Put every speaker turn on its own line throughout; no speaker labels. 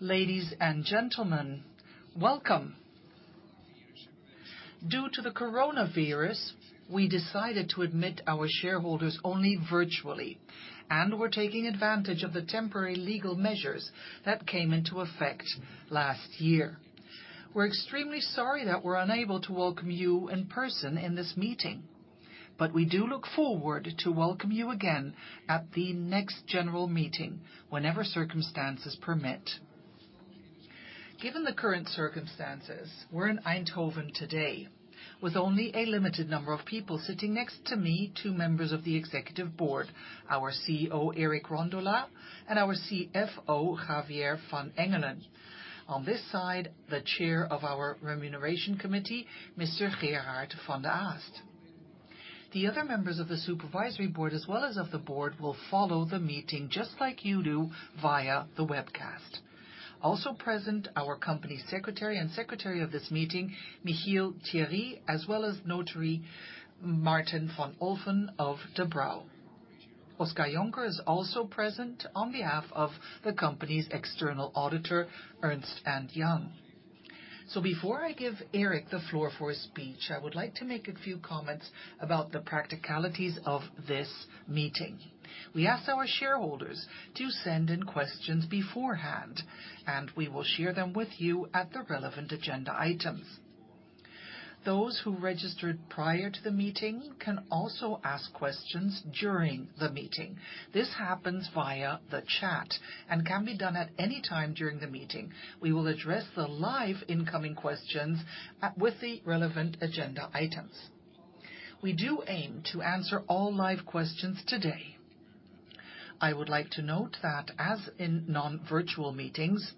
Ladies and gentlemen welcome. Due to the coronavirus, we decided to admit our shareholders only virtually, and we're taking advantage of the temporary legal measures that came into effect last year. We're extremely sorry that we're unable to welcome you in person in this meeting, but we do look forward to welcome you again at the next general meeting, whenever circumstances permit. Given the current circumstances, we're in Eindhoven today with only a limited number of people sitting next to me, two members of the Executive Board, our CEO, Eric Rondolat, and our CFO, Javier van Engelen. On this side, the Chair of our remuneration committee, Mr. Gerard van de Aast. The other members of the Supervisory Board, as well as of the Board, will follow the meeting just like you do via the webcast. Also present, our company secretary and secretary of this meeting, Michiel Thierry, as well as notary Martin van Olffen of De Brauw. Oscar Jonker is also present on behalf of the company's external auditor, Ernst & Young. Before I give Eric the floor for his speech, I would like to make a few comments about the practicalities of this meeting. We ask our shareholders to send in questions beforehand, and we will share them with you at the relevant agenda items. Those who registered prior to the meeting can also ask questions during the meeting. This happens via the chat and can be done at any time during the meeting. We will address the live incoming questions with the relevant agenda items. We do aim to answer all live questions today. I would like to note that as in non-virtual meetings,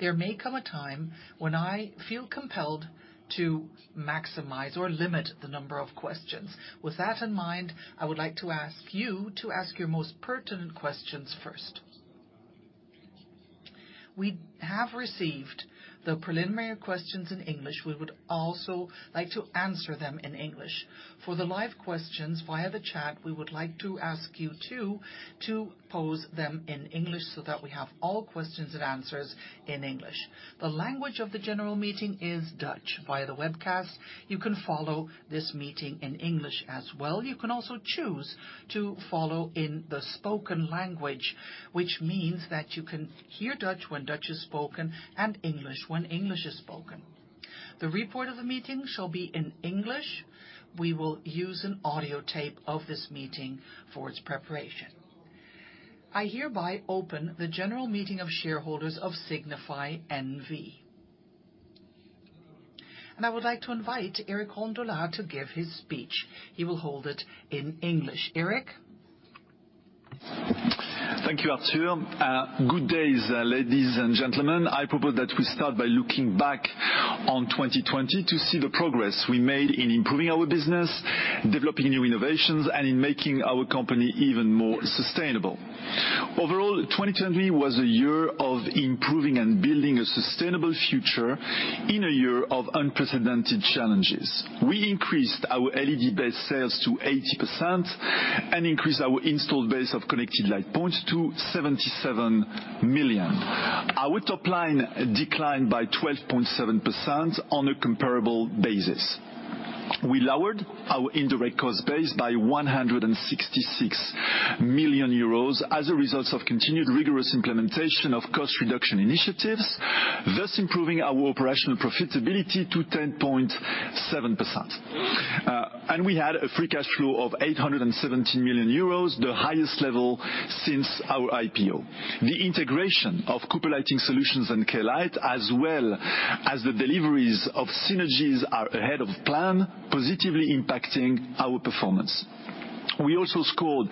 there may come a time when I feel compelled to maximize or limit the number of questions. With that in mind, I would like to ask you to ask your most pertinent questions first. We have received the preliminary questions in English. We would also like to answer them in English. For the live questions via the chat, we would like to ask you, too, to pose them in English so that we have all questions and answers in English. The language of the general meeting is Dutch. Via the webcast, you can follow this meeting in English as well. You can also choose to follow in the spoken language, which means that you can hear Dutch when Dutch is spoken and English when English is spoken. The report of the meeting shall be in English. We will use an audio tape of this meeting for its preparation. I hereby open the general meeting of shareholders of Signify N.V. I would like to invite Eric Rondolat to give his speech. He will hold it in English. Eric?
Thank you, Arthur. Good day, ladies and gentlemen. I propose that we start by looking back on 2020 to see the progress we made in improving our business, developing new innovations, and in making our company even more sustainable. Overall, 2020 was a year of improving and building a sustainable future in a year of unprecedented challenges. We increased our LED-based sales to 80% and increased our installed base of connected light points to 77 million. Our top line declined by 12.7% on a comparable basis. We lowered our indirect cost base by 166 million euros as a result of continued rigorous implementation of cost reduction initiatives, thus improving our operational profitability to 10.7%. We had a free cash flow of 870 million euros, the highest level since our IPO. The integration of Cooper Lighting Solutions and Klite, as well as the deliveries of synergies are ahead of plan, positively impacting our performance. We also scored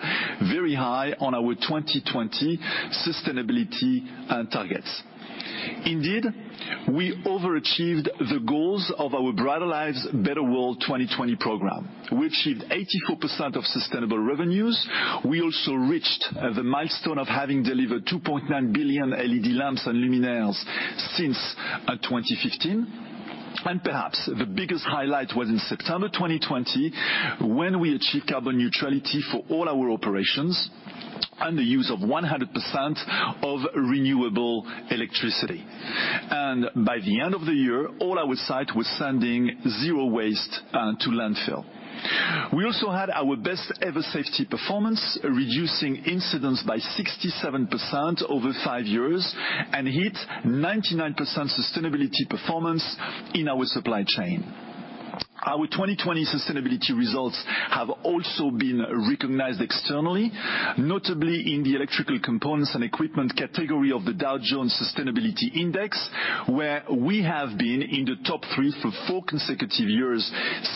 very high on our 2020 sustainability targets. We overachieved the goals of our Brighter Lives, Better World 2020 program. We achieved 84% of sustainable revenues. We also reached the milestone of having delivered 2.9 billion LED lamps and luminaires since 2015. Perhaps the biggest highlight was in September 2020 when we achieved carbon neutrality for all our operations and the use of 100% of renewable electricity. By the end of the year, all our sites were sending zero waste to landfill. We also had our best ever safety performance, reducing incidents by 67% over five years and hit 99% sustainability performance in our supply chain. Our 2020 sustainability results have also been recognized externally, notably in the electrical components and equipment category of the Dow Jones Sustainability Index, where we have been in the top three for four consecutive years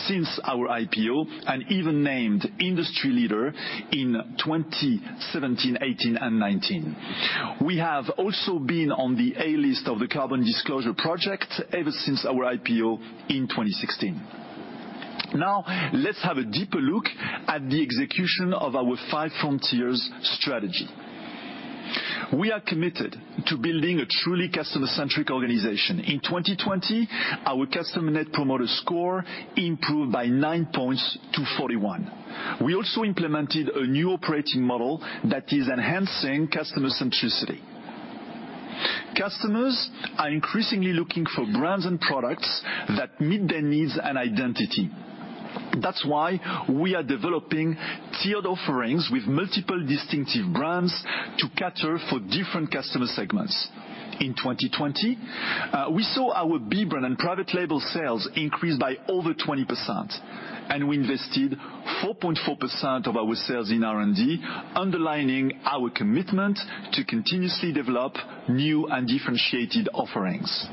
since our IPO and even named industry leader in 2017, 2018, and 2019. We have also been on the A list of the Carbon Disclosure Project ever since our IPO in 2016. Let's have a deeper look at the execution of our Five Frontiers strategy. We are committed to building a truly customer-centric organization. In 2020, our customer Net Promoter Score improved by nine points to 41. We also implemented a new operating model that is enhancing customer centricity. Customers are increasingly looking for brands and products that meet their needs and identity. That's why we are developing tiered offerings with multiple distinctive brands to cater for different customer segments. In 2020, we saw our B brand and product label sales increase by over 20%, and we invested 4.4% of our sales in R&D, underlining our commitment to continuously develop new and differentiated offerings.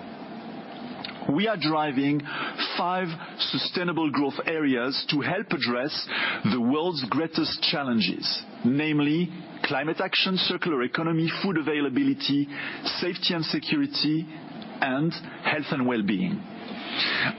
We are driving five sustainable growth areas to help address the world's greatest challenges, namely climate action, circular economy, food availability, safety and security, and health and well-being.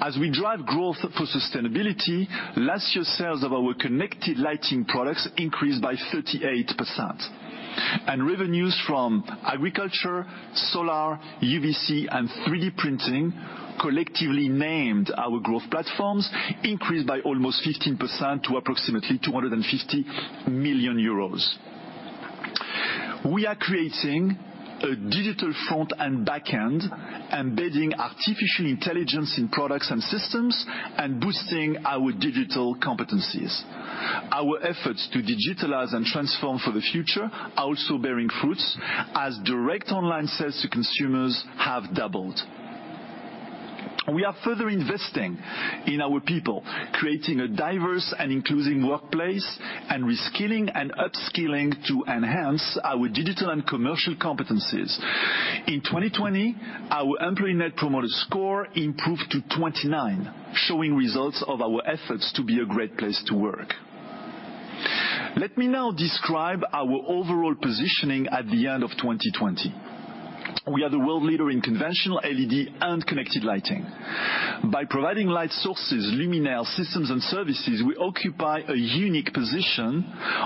As we drive growth for sustainability, last year's sales of our connected lighting products increased by 38%, and revenues from agriculture, solar, UVC, and 3D printing, collectively named our growth platforms, increased by almost 15% to approximately 250 million euros. We are creating a digital front and back end, embedding artificial intelligence in products and systems and boosting our digital competencies. Our efforts to digitalize and transform for the future are also bearing fruits as direct online sales to consumers have doubled. We are further investing in our people, creating a diverse and inclusive workplace, and reskilling and upskilling to enhance our digital and commercial competencies. In 2020, our employee Net Promoter Score improved to 29, showing results of our efforts to be a great place to work. Let me now describe our overall positioning at the end of 2020. We are the world leader in conventional LED and connected lighting. By providing light sources, luminaires, systems, and services, we occupy a unique position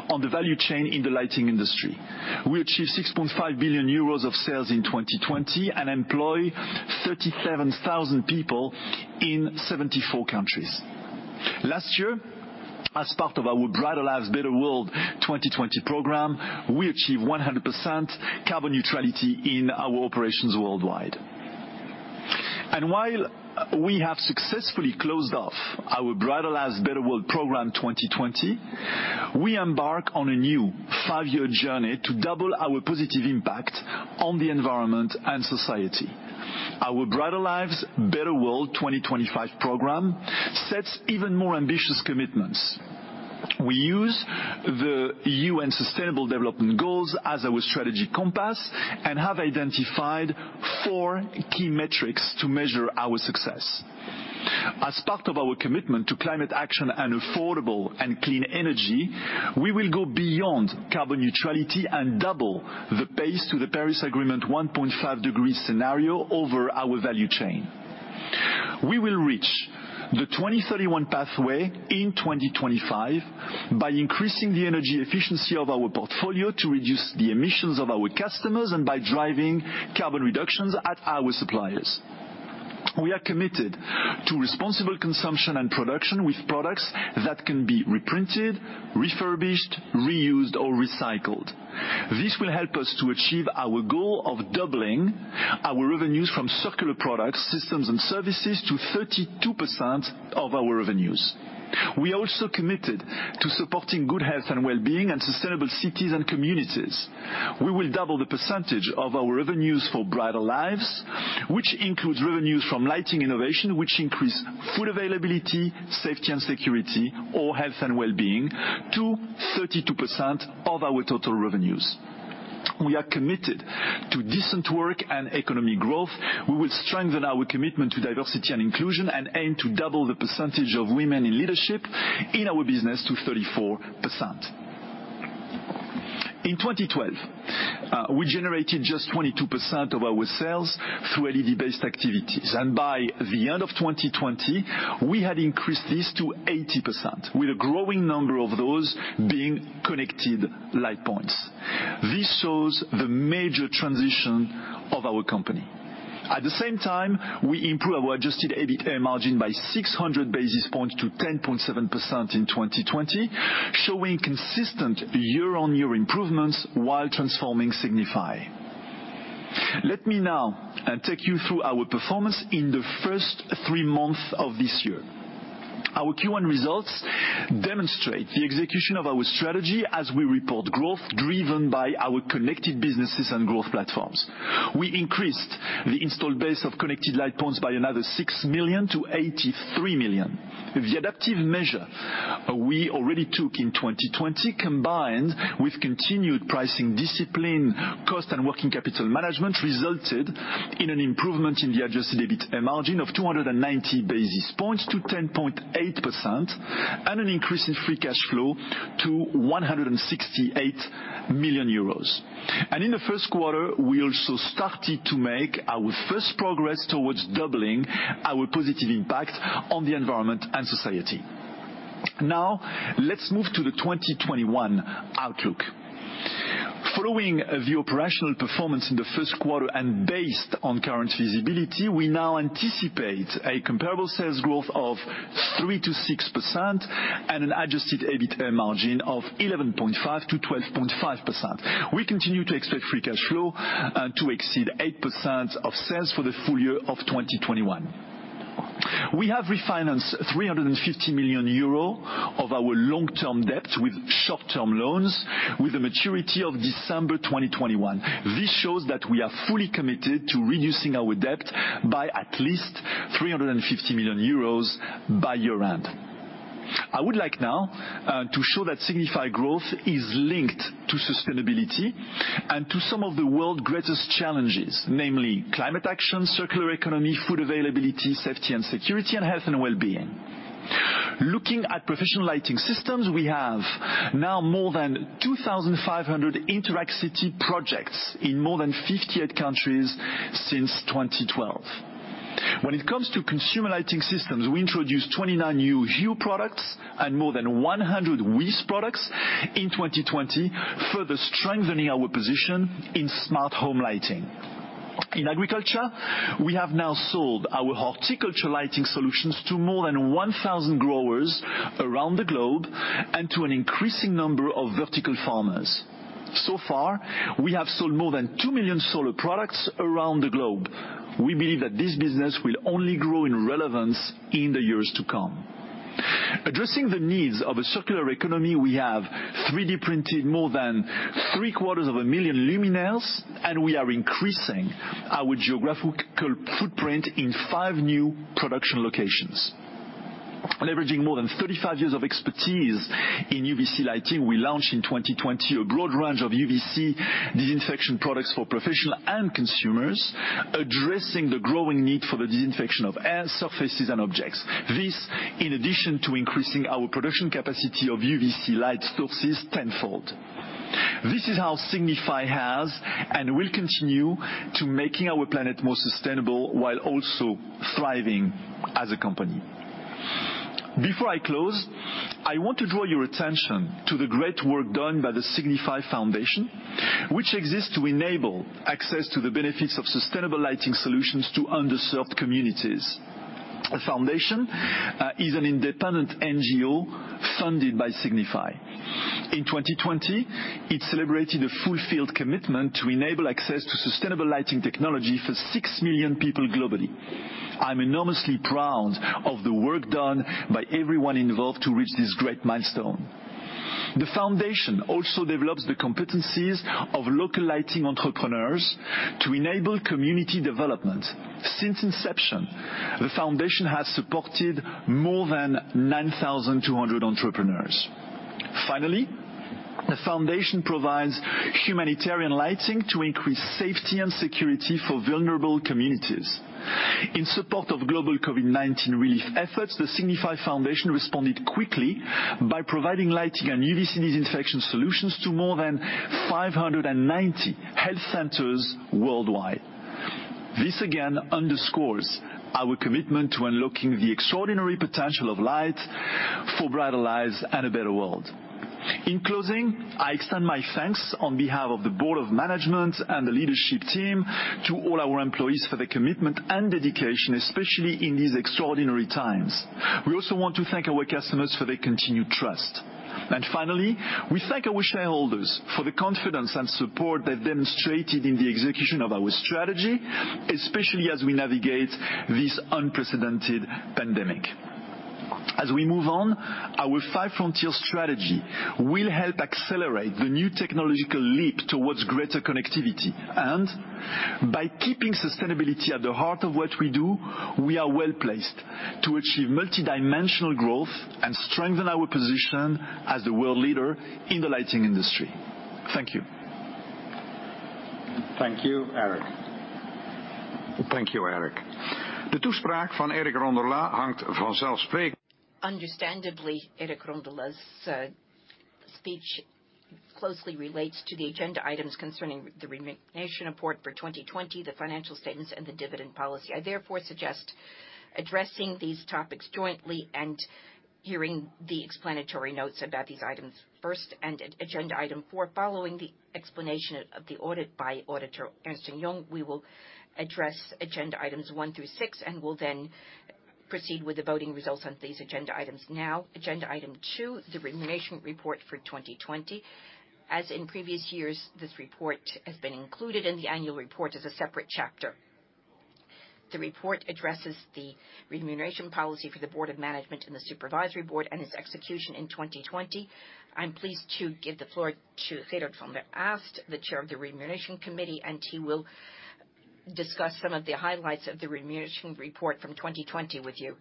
on the value chain in the lighting industry. We achieved 6.5 billion euros of sales in 2020 and employ 37,000 people in 74 countries. Last year, as part of our Brighter Lives, Better World 2020 program, we achieved 100% carbon neutrality in our operations worldwide. While we have successfully closed off our Brighter Lives, Better World 2020 program, we embark on a new five-year journey to double our positive impact on the environment and society. Our Brighter Lives, Better World 2025 program sets even more ambitious commitments. We use the UN Sustainable Development Goals as our strategy compass and have identified four key metrics to measure our success. As part of our commitment to climate action and affordable and clean energy, we will go beyond carbon neutrality and double the pace to the Paris Agreement 1.5 degree scenario over our value chain. We will reach the 2031 pathway in 2025 by increasing the energy efficiency of our portfolio to reduce the emissions of our customers and by driving carbon reductions at our suppliers. We are committed to responsible consumption and production with products that can be reprinted, refurbished, reused, or recycled. This will help us to achieve our goal of doubling our revenues from circular product systems and services to 32% of our revenues. We are also committed to supporting good health and well-being and sustainable cities and communities. We will double the percentage of our revenues for Brighter Lives, which includes revenues from lighting innovation, which increase food availability, safety and security or health and well-being to 32% of our total revenues. We are committed to decent work and economic growth. We will strengthen our commitment to diversity and inclusion and aim to double the percentage of women in leadership in our business to 34%. In 2012, we generated just 22% of our sales through LED-based activities, and by the end of 2020, we had increased this to 80%, with a growing number of those being connected light points. This shows the major transition of our company. At the same time, we improved our adjusted EBITA margin by 600 basis points to 10.7% in 2020, showing consistent year-on-year improvements while transforming Signify. Let me now take you through our performance in the first three months of this year. Our Q1 results demonstrate the execution of our strategy as we report growth driven by our connected businesses and growth platforms. We increased the installed base of connected light points by another six million to 83 million. The adaptive measure we already took in 2020, combined with continued pricing discipline, cost and working capital management, resulted in an improvement in the adjusted EBITDA margin of 290 basis points to 10.8% and an increase in free cash flow to 168 million euros. In the first quarter, we also started to make our first progress towards doubling our positive impact on the environment and society. Now, let's move to the 2021 outlook. Following the operational performance in the first quarter and based on current visibility, we now anticipate a comparable sales growth of 3%-6% and an Adjusted EBITA margin of 11.5%-12.5%. We continue to expect free cash flow to exceed 8% of sales for the full year of 2021. We have refinanced 350 million euro of our long-term debt with short-term loans with a maturity of December 2021. This shows that we are fully committed to reducing our debt by at least 350 million euros by year-end. I would like now to show that Signify growth is linked to sustainability and to some of the world's greatest challenges, namely climate action, circular economy, food availability, safety and security, and health and wellbeing. Looking at professional lighting systems, we have now more than 2,500 Interact City projects in more than 58 countries since 2012. When it comes to consumer lighting systems, we introduced 29 new Hue products and more than 100 WiZ products in 2020, further strengthening our position in smart home lighting. In agriculture, we have now sold our horticulture lighting solutions to more than 1,000 growers around the globe and to an increasing number of vertical farmers. So far, we have sold more than 2 million solar products around the globe. We believe that this business will only grow in relevance in the years to come. Addressing the needs of a circular economy, we have 3D printed more than three-quarters of a million luminaires, and we are increasing our geographical footprint in five new production locations. Leveraging more than 35 years of expertise in UVC lighting, we launched in 2020 a broad range of UVC disinfection products for professional and consumers, addressing the growing need for the disinfection of air, surfaces, and objects. This, in addition to increasing our production capacity of UVC light sources tenfold. This is how Signify has and will continue to making our planet more sustainable while also thriving as a company. Before I close, I want to draw your attention to the great work done by the Signify Foundation, which exists to enable access to the benefits of sustainable lighting solutions to underserved communities. The foundation is an independent NGO funded by Signify. In 2020, it celebrated a full field commitment to enable access to sustainable lighting technology for six million people globally. I'm enormously proud of the work done by everyone involved to reach this great milestone. The foundation also develops the competencies of local lighting entrepreneurs to enable community development. Since inception, the foundation has supported more than 9,200 entrepreneurs. Finally, the foundation provides humanitarian lighting to increase safety and security for vulnerable communities. In support of global COVID-19 relief efforts, the Signify Foundation responded quickly by providing lighting and UVC disinfection solutions to more than 590 health centers worldwide. This again underscores our commitment to unlocking the extraordinary potential of light for brighter lives and a better world. In closing, I extend my thanks on behalf of the board of management and the leadership team to all our employees for their commitment and dedication, especially in these extraordinary times. We also want to thank our customers for their continued trust. Finally, we thank our shareholders for the confidence and support they've demonstrated in the execution of our strategy, especially as we navigate this unprecedented pandemic. As we move on, our Five Frontiers strategy will help accelerate the new technological leap towards greater connectivity, and by keeping sustainability at the heart of what we do, we are well-placed to achieve multidimensional growth and strengthen our position as a world leader in the lighting industry. Thank you.
Thank you Eric. Thank you Eric. The speech from Eric Rondolat, understandably, Eric Rondolat's speech closely relates to the agenda items concerning the remuneration report for 2020, the financial statements, and the dividend policy. I therefore suggest addressing these topics jointly and hearing the explanatory notes about these items first and agenda item four following the explanation of the audit by Auditor Ernst & Young. We will address agenda items one through six and will then proceed with the voting results on these agenda items now. Agenda item two, the remuneration report for 2020. As in previous years, this report has been included in the annual report as a separate chapter. The report addresses the remuneration policy for the Board of Management and the Supervisory Board and its execution in 2020. I'm pleased to give the floor to Gerard van de Aast, the Chair of the Remuneration Committee. He will discuss some of the highlights of the remuneration report from 2020 with you.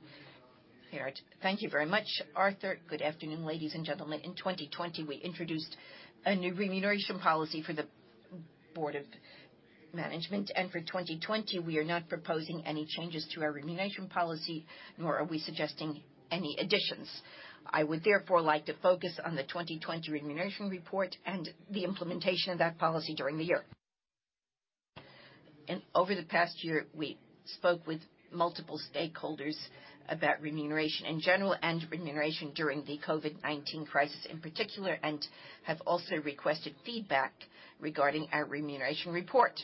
Gerard van de Aast.
Thank you very much Arthur. Good afternoon ladies and gentlemen. In 2020, we introduced a new remuneration policy for the Board of Management. For 2020, we are not proposing any changes to our remuneration policy, nor are we suggesting any additions. I would therefore like to focus on the 2020 remuneration report and the implementation of that policy during the year. Over the past year, we spoke with multiple stakeholders about remuneration in general and remuneration during the COVID-19 crisis in particular, and have also requested feedback regarding our remuneration report.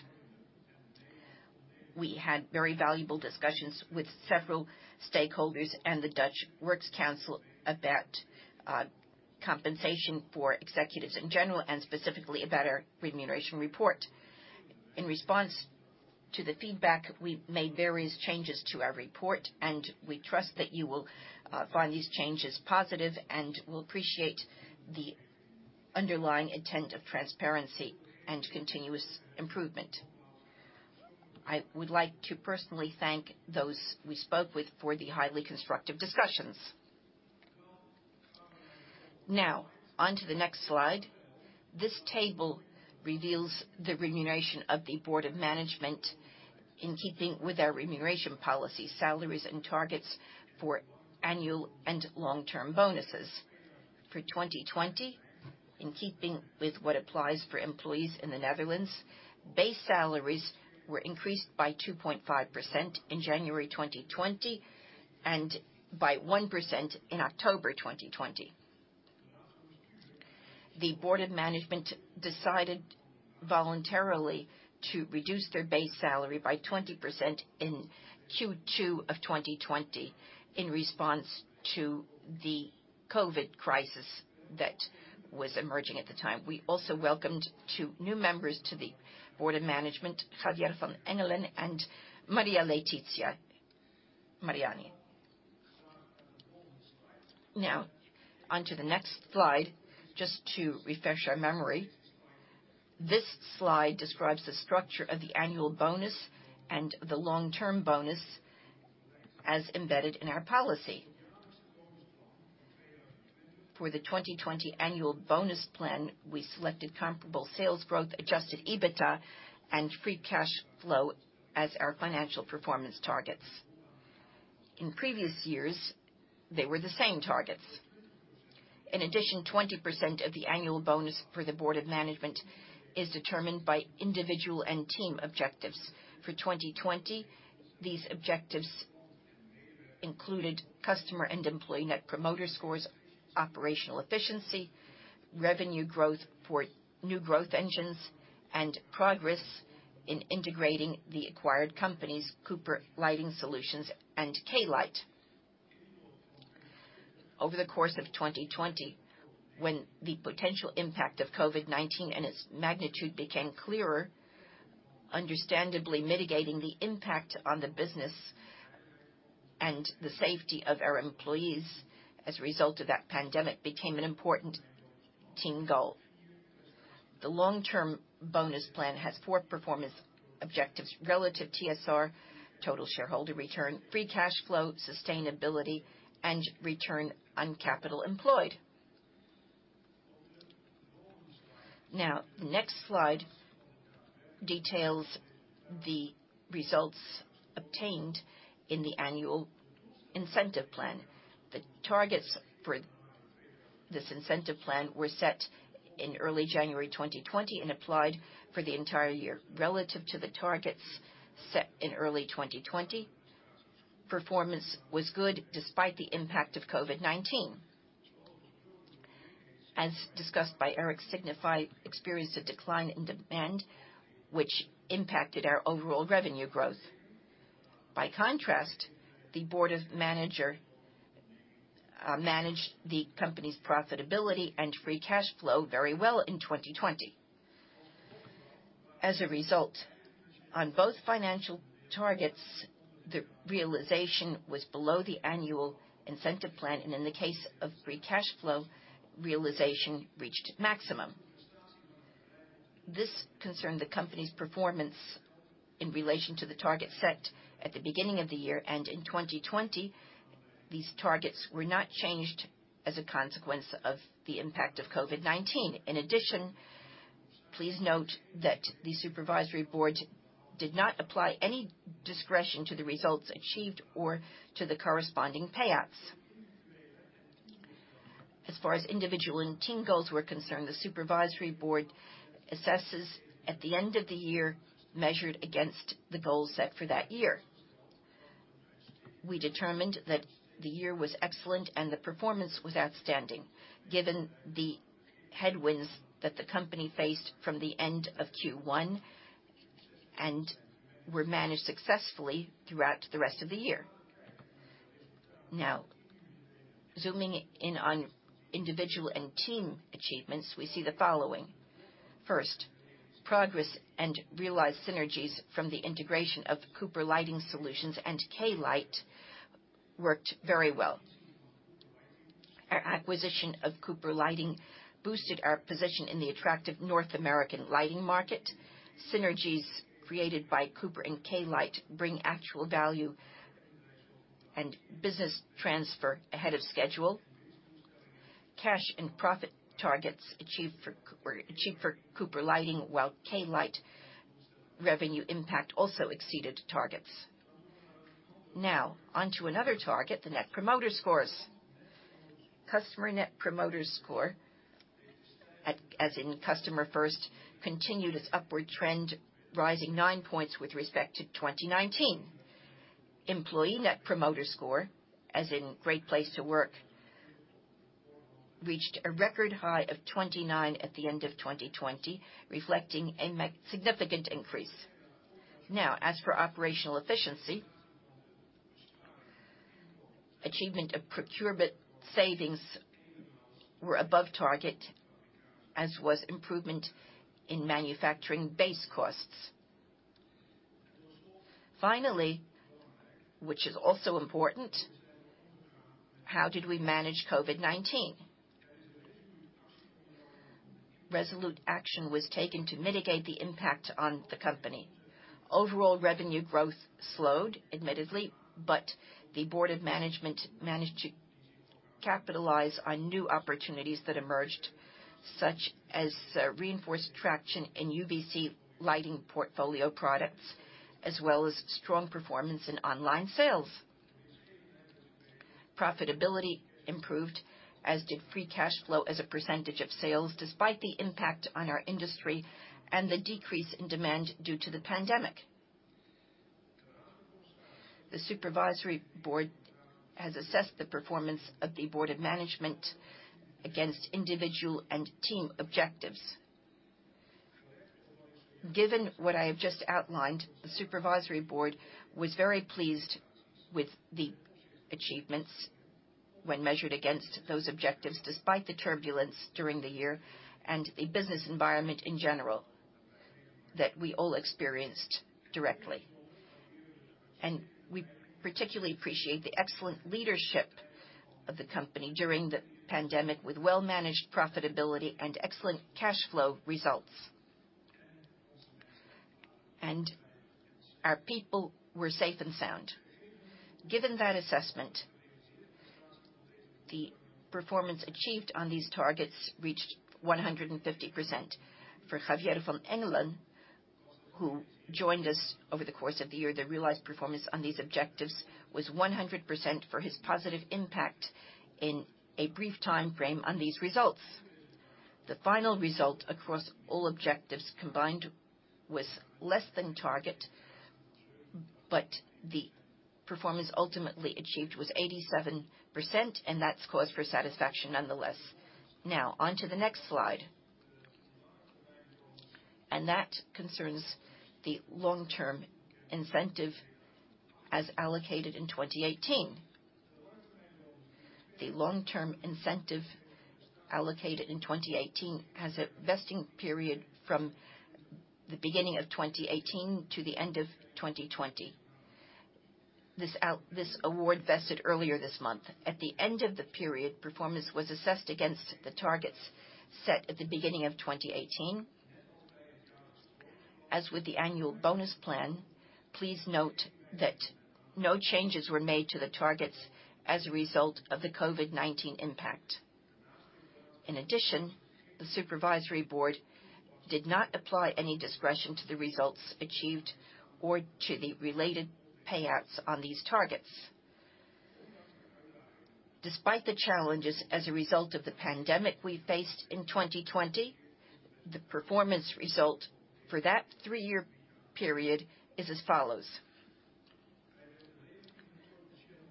We had very valuable discussions with several stakeholders and the Dutch Works Council about compensation for executives in general, and specifically about our remuneration report. In response to the feedback, we made various changes to our report, and we trust that you will find these changes positive and will appreciate the underlying intent of transparency and continuous improvement. I would like to personally thank those we spoke with for the highly constructive discussions. Onto the next slide. This table reveals the remuneration of the Board of Management in keeping with our remuneration policy, salaries and targets for annual and long-term bonuses. For 2020, in keeping with what applies for employees in the Netherlands, base salaries were increased by 2.5% in January 2020 and by 1% in October 2020. The Board of Management decided voluntarily to reduce their base salary by 20% in Q2 of 2020 in response to the COVID crisis that was emerging at the time. We also welcomed two new members to the Board of Management, Javier van Engelen and Maria Letizia Mariani. Onto the next slide, just to refresh our memory. This slide describes the structure of the annual bonus and the long-term bonus as embedded in our policy. For the 2020 annual bonus plan, we selected comparable sales growth, adjusted EBITDA, and free cash flow as our financial performance targets. In previous years, they were the same targets. In addition, 20% of the annual bonus for the Board of Management is determined by individual and team objectives. For 2020, these objectives included customer and employee Net Promoter Scores, operational efficiency, revenue growth for new growth engines, and progress in integrating the acquired companies, Cooper Lighting Solutions and Klite. Over the course of 2020, when the potential impact of COVID-19 and its magnitude became clearer, understandably mitigating the impact on the business and the safety of our employees as a result of that pandemic became an important team goal. The long-term bonus plan has four performance objectives, relative TSR, total shareholder return, free cash flow, sustainability, and return on capital employed. The next slide details the results obtained in the annual incentive plan. The targets for this incentive plan were set in early January 2020 and applied for the entire year. Relative to the targets set in early 2020, performance was good despite the impact of COVID-19. As discussed by Eric, Signify experienced a decline in demand, which impacted our overall revenue growth. By contrast, the Board of Management managed the company's profitability and free cash flow very well in 2020. As a result, on both financial targets, the realization was below the annual incentive plan, and in the case of free cash flow, realization reached its maximum. This concerned the company's performance in relation to the target set at the beginning of the year, and in 2020, these targets were not changed as a consequence of the impact of COVID-19. In addition, please note that the supervisory board did not apply any discretion to the results achieved or to the corresponding payouts. As far as individual and team goals were concerned, the supervisory board assesses at the end of the year measured against the goal set for that year. We determined that the year was excellent and the performance was outstanding given the headwinds that the company faced from the end of Q1 and were managed successfully throughout the rest of the year. Zooming in on individual and team achievements, we see the following. First, progress and realized synergies from the integration of Cooper Lighting Solutions and Klite worked very well. Our acquisition of Cooper Lighting boosted our position in the attractive North American lighting market. Synergies created by Cooper and Klite bring actual value and business transfer ahead of schedule. Cash and profit targets achieved for Cooper Lighting, while Klite revenue impact also exceeded targets. Onto another target, the Net Promoter Scores. Customer Net Promoter Score, as in customer first, continued its upward trend, rising nine points with respect to 2019. Net Promoter Score, as in great place to work, reached a record high of 29 at the end of 2020, reflecting a significant increase. As for operational efficiency, achievement of procurement savings were above target, as was improvement in manufacturing base costs. Which is also important, how did we manage COVID-19? Resolute action was taken to mitigate the impact on the company. Overall revenue growth slowed, admittedly, the Board of Management managed to capitalize on new opportunities that emerged, such as reinforced traction in UVC lighting portfolio products, as well as strong performance in online sales. Profitability improved, as did free cash flow as a percentage of sales, despite the impact on our industry and the decrease in demand due to the pandemic. The Supervisory Board has assessed the performance of the Board of Management against individual and team objectives. Given what I have just outlined, the supervisory board was very pleased with the achievements when measured against those objectives, despite the turbulence during the year and a business environment in general that we all experienced directly. We particularly appreciate the excellent leadership of the company during the pandemic, with well-managed profitability and excellent cash flow results. Our people were safe and sound. Given that assessment, the performance achieved on these targets reached 150%. For Javier van Engelen, who joined us over the course of the year, the realized performance on these objectives was 100% for his positive impact in a brief time frame on these results. The final result across all objectives combined was less than target, but the performance ultimately achieved was 87%, and that's cause for satisfaction nonetheless. Now onto the next slide, and that concerns the long-term incentive as allocated in 2018. The long-term incentive allocated in 2018 has a vesting period from the beginning of 2018 to the end of 2020. This award vested earlier this month. At the end of the period, performance was assessed against the targets set at the beginning of 2018. As with the annual bonus plan, please note that no changes were made to the targets as a result of the COVID-19 impact. The supervisory board did not apply any discretion to the results achieved or to the related payouts on these targets. Despite the challenges as a result of the pandemic we faced in 2020, the performance result for that three-year period is as follows.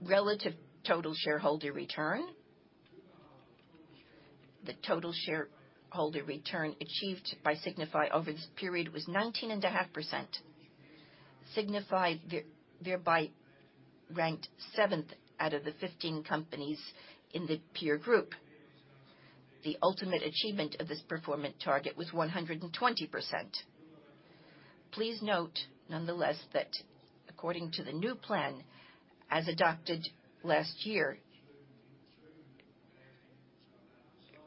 Relative total shareholder return. The total shareholder return achieved by Signify over this period was 19.5%. Signify thereby ranked seventh out of the 15 companies in the peer group. The ultimate achievement of this performance target was 120%. Please note, nonetheless, that according to the new plan as adopted last year,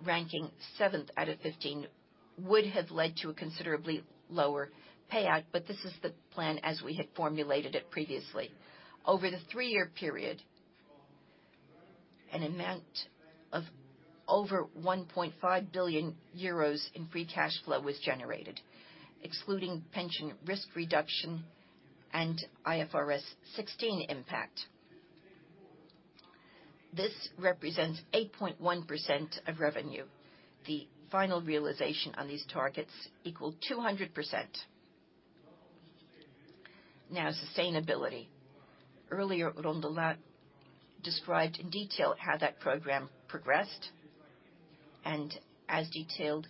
ranking seventh out of 15 would have led to a considerably lower payout, but this is the plan as we had formulated it previously. Over the three-year period, an amount of over 1.5 billion euros in free cash flow was generated, excluding pension risk reduction and IFRS 16 impact. This represents 8.1% of revenue. The final realization on these targets equaled 200%. Sustainability. Earlier, Eric Rondolat described in detail how that program progressed. As detailed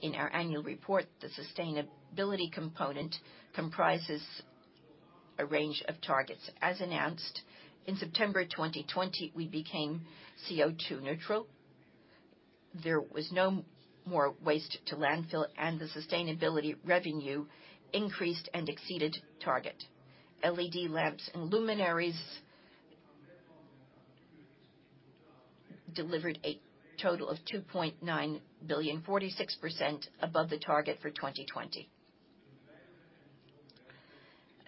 in our annual report, the sustainability component comprises a range of targets. As announced, in September 2020, we became CO2 neutral. There was no more waste to landfill, and the sustainability revenue increased and exceeded target. LED lamps and luminaires delivered a total of 2.9 billion, 46% above the target for 2020.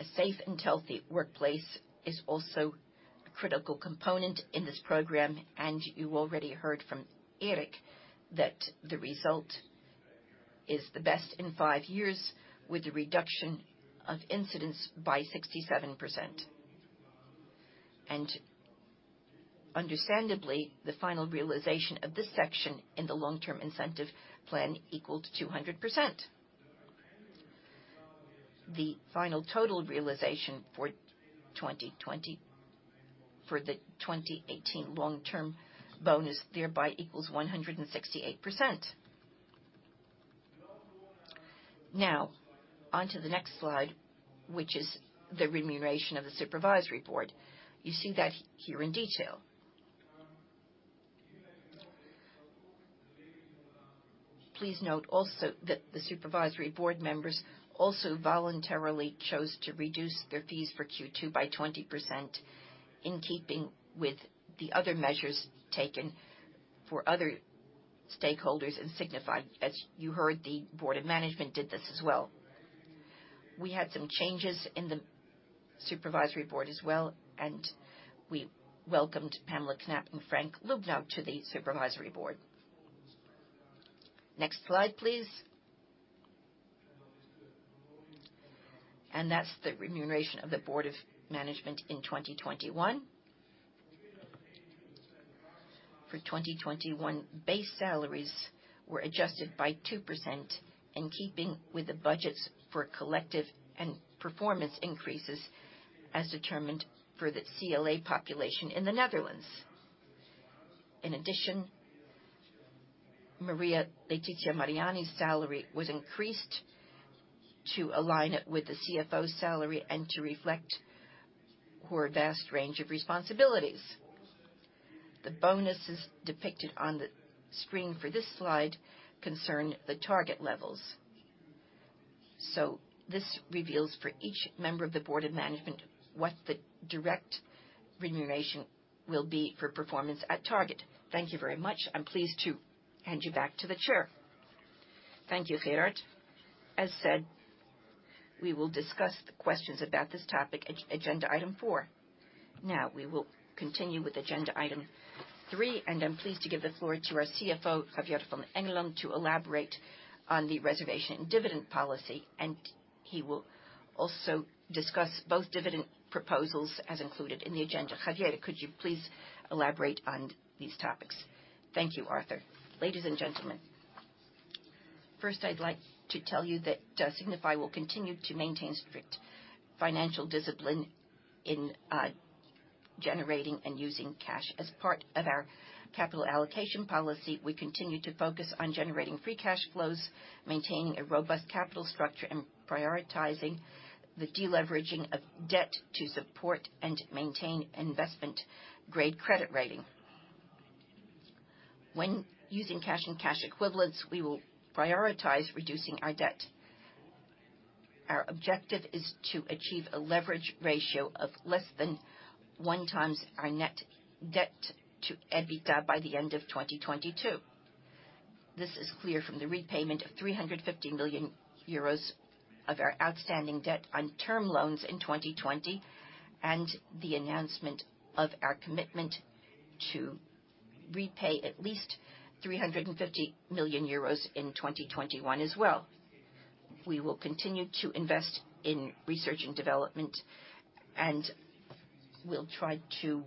A safe and healthy workplace is also a critical component in this program. You already heard from Eric that the result is the best in five years with a reduction of incidents by 67%. Understandably, the final realization of this section in the long-term incentive plan equals 200%. The final total realization for the 2018 long-term bonus thereby equals 168%. On to the next slide, which is the remuneration of the Supervisory Board. You see that here in detail. Please note also that the Supervisory Board members also voluntarily chose to reduce their fees for Q2 by 20%, in keeping with the other measures taken for other stakeholders in Signify. As you heard, the Board of Management did this as well. We had some changes in the Supervisory Board as well. We welcomed Pamela Knapp and Frank Lubnau to the Supervisory Board. Next slide, please. That's the remuneration of the Board of Management in 2021. For 2021, base salaries were adjusted by 2%, in keeping with the budgets for collective and performance increases as determined for the CLA population in the Netherlands. In addition, Maria Letizia Mariani's salary was increased to align with the CFO's salary and to reflect her vast range of responsibilities. The bonuses depicted on the screen for this slide concern the target levels. This reveals for each member of the Board of Management what the direct remuneration will be for performance at target. Thank you very much. I'm pleased to hand you back to the Chair.
Thank you Gerard. As said, we will discuss the questions about this topic at agenda item four. We will continue with agenda item three, and I'm pleased to give the floor to our CFO, Javier van Engelen, to elaborate on the reservation dividend policy. He will also discuss both dividend proposals as included in the agenda. Javier could you please elaborate on these topics?
Thank you Arthur. Ladies and gentlemen, first I'd like to tell you that Signify will continue to maintain strict financial discipline in generating and using cash. As part of our capital allocation policy, we continue to focus on generating free cash flows, maintaining a robust capital structure, and prioritizing the de-leveraging of debt to support and maintain investment-grade credit rating. When using cash and cash equivalents, we will prioritize reducing our debt. Our objective is to achieve a leverage ratio of less than one times our net debt to EBITDA by the end of 2022. This is clear from the repayment of 350 million euros of our outstanding debt on term loans in 2020 and the announcement of our commitment to repay at least 350 million euros in 2021 as well. We will continue to invest in research and development, and we'll try to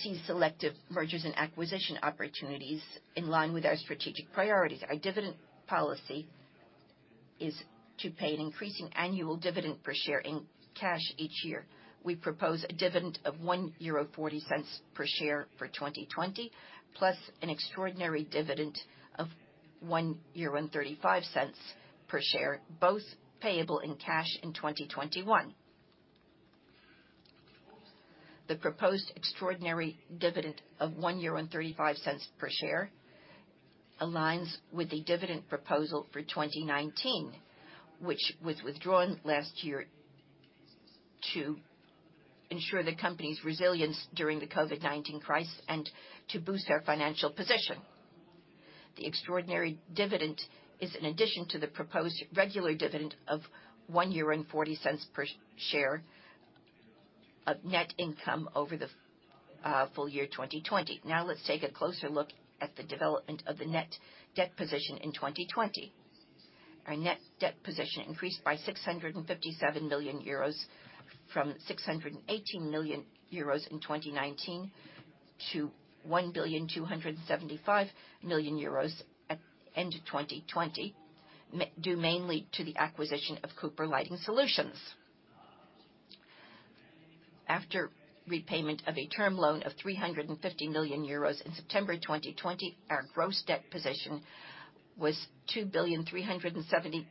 see selective mergers and acquisition opportunities in line with our strategic priorities. Our dividend policy is to pay an increasing annual dividend per share in cash each year. We propose a dividend of 1.40 euro per share for 2020, plus an extraordinary dividend of 1.35 euro per share, both payable in cash in 2021. The proposed extraordinary dividend of 1.35 euro per share aligns with the dividend proposal for 2019, which was withdrawn last year to ensure the company's resilience during the COVID-19 crisis and to boost our financial position. The extraordinary dividend is in addition to the proposed regular dividend of 1.40 euro per share of net income over the full year 2020. Now let's take a closer look at the development of the net debt position in 2020. Our net debt position increased by 657 million euros from 618 million euros in 2019 to 1,275 million euros at the end of 2020, due mainly to the acquisition of Cooper Lighting Solutions. After repayment of a term loan of 350 million euros in September 2020, our gross debt position was 2,377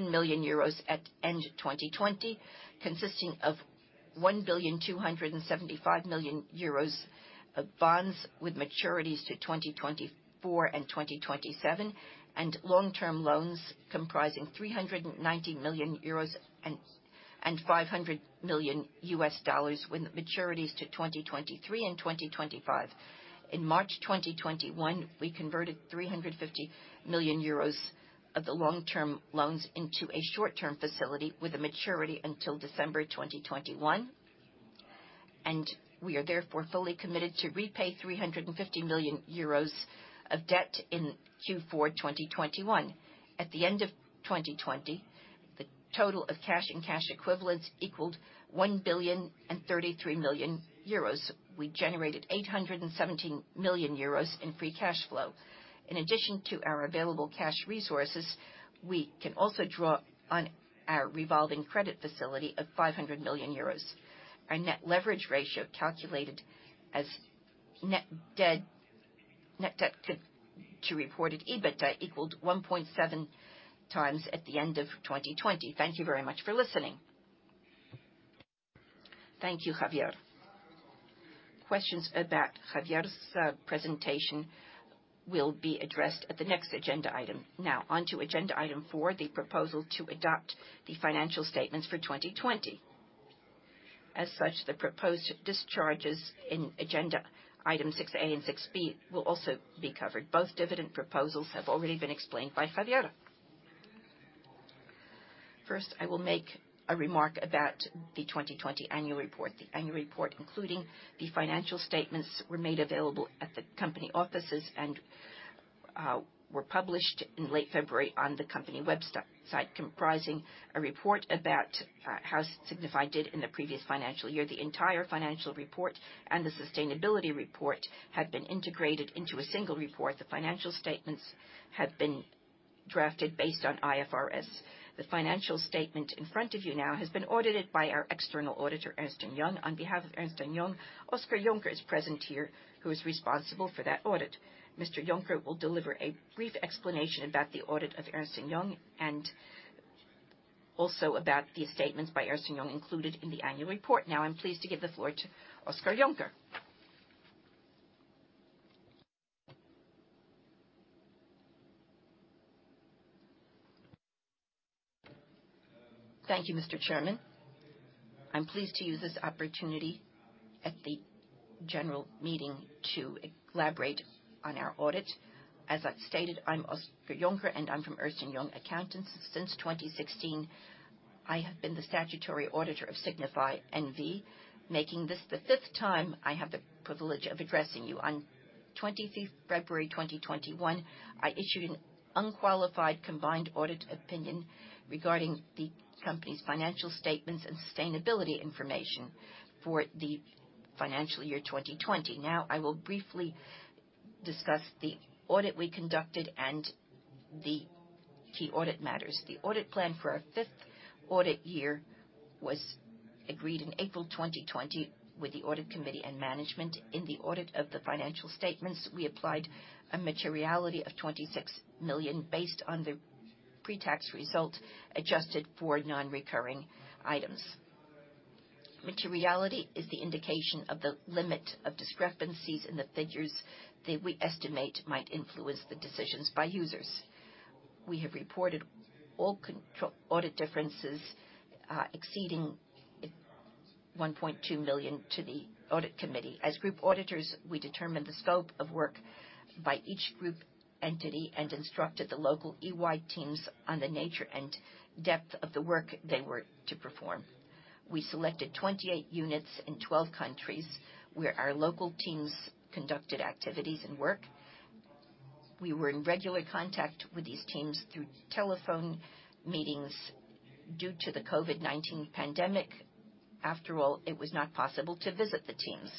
million euros at end 2020, consisting of 1,275 million euros of bonds with maturities to 2024 and 2027 and long-term loans comprising 390 million euros and $500 million with maturities to 2023 and 2025. In March 2021, we converted 350 million euros of the long-term loans into a short-term facility with a maturity until December 2021. We are therefore fully committed to repay 350 million euros of debt in Q4 2021. At the end of 2020, the total of cash and cash equivalents equaled 1,033,000,000 euros. We generated 817 million euros in free cash flow. In addition to our available cash resources, we can also draw on our revolving credit facility of 500 million euros. Our net leverage ratio calculated as net debt to reported EBITDA equaled 1.7x at the end of 2020. Thank you very much for listening.
Thank you Javier. Questions about Javier's presentation will be addressed at the next agenda item. On to agenda item four, the proposal to adopt the financial statements for 2020. As such, the proposed discharges in agenda item 6A and 6B will also be covered. Both dividend proposals have already been explained by Javier. First, I will make a remark about the 2020 annual report. The annual report, including the financial statements, were made available at the company offices and were published in late February on the company website, comprising a report about how Signify did in the previous financial year. The entire financial report and the sustainability report have been integrated into a single report. The financial statements have been drafted based on IFRS. The financial statement in front of you now has been audited by our external auditor, Ernst & Young. On behalf of Ernst & Young, Oscar Jonker is present here, who is responsible for that audit. Mr. Jonker will deliver a brief explanation about the audit of Ernst & Young and also about the statements by Ernst & Young included in the annual report. I'm pleased to give the floor to Oscar Jonker.
Thank you Mr. Chairman. I'm pleased to use this opportunity at the general meeting to elaborate on our audit. As I've stated, I'm Oscar Jonker and I'm from Ernst & Young Accountants. Since 2016, I have been the statutory auditor of Signify N.V., making this the fifth time I have the privilege of addressing you. On 25th February 2021, I issued an unqualified combined audit opinion regarding the company's financial statements and sustainability information for the financial year 2020. I will briefly discuss the audit we conducted and the key audit matters. The audit plan for our fifth audit year was agreed in April 2020 with the audit committee and management. In the audit of the financial statements, we applied a materiality of 26 million based on the pre-tax result adjusted for non-recurring items. Materiality is the indication of the limit of discrepancies in the figures that we estimate might influence the decisions by users. We have reported all audit differences exceeding 1.2 million to the audit committee. As group auditors, we determine the scope of work by each group entity and instructed the local EY teams on the nature and depth of the work they were to perform. We selected 28 units in 12 countries where our local teams conducted activities and work. We were in regular contact with these teams through telephone meetings due to the COVID-19 pandemic. After all, it was not possible to visit the teams,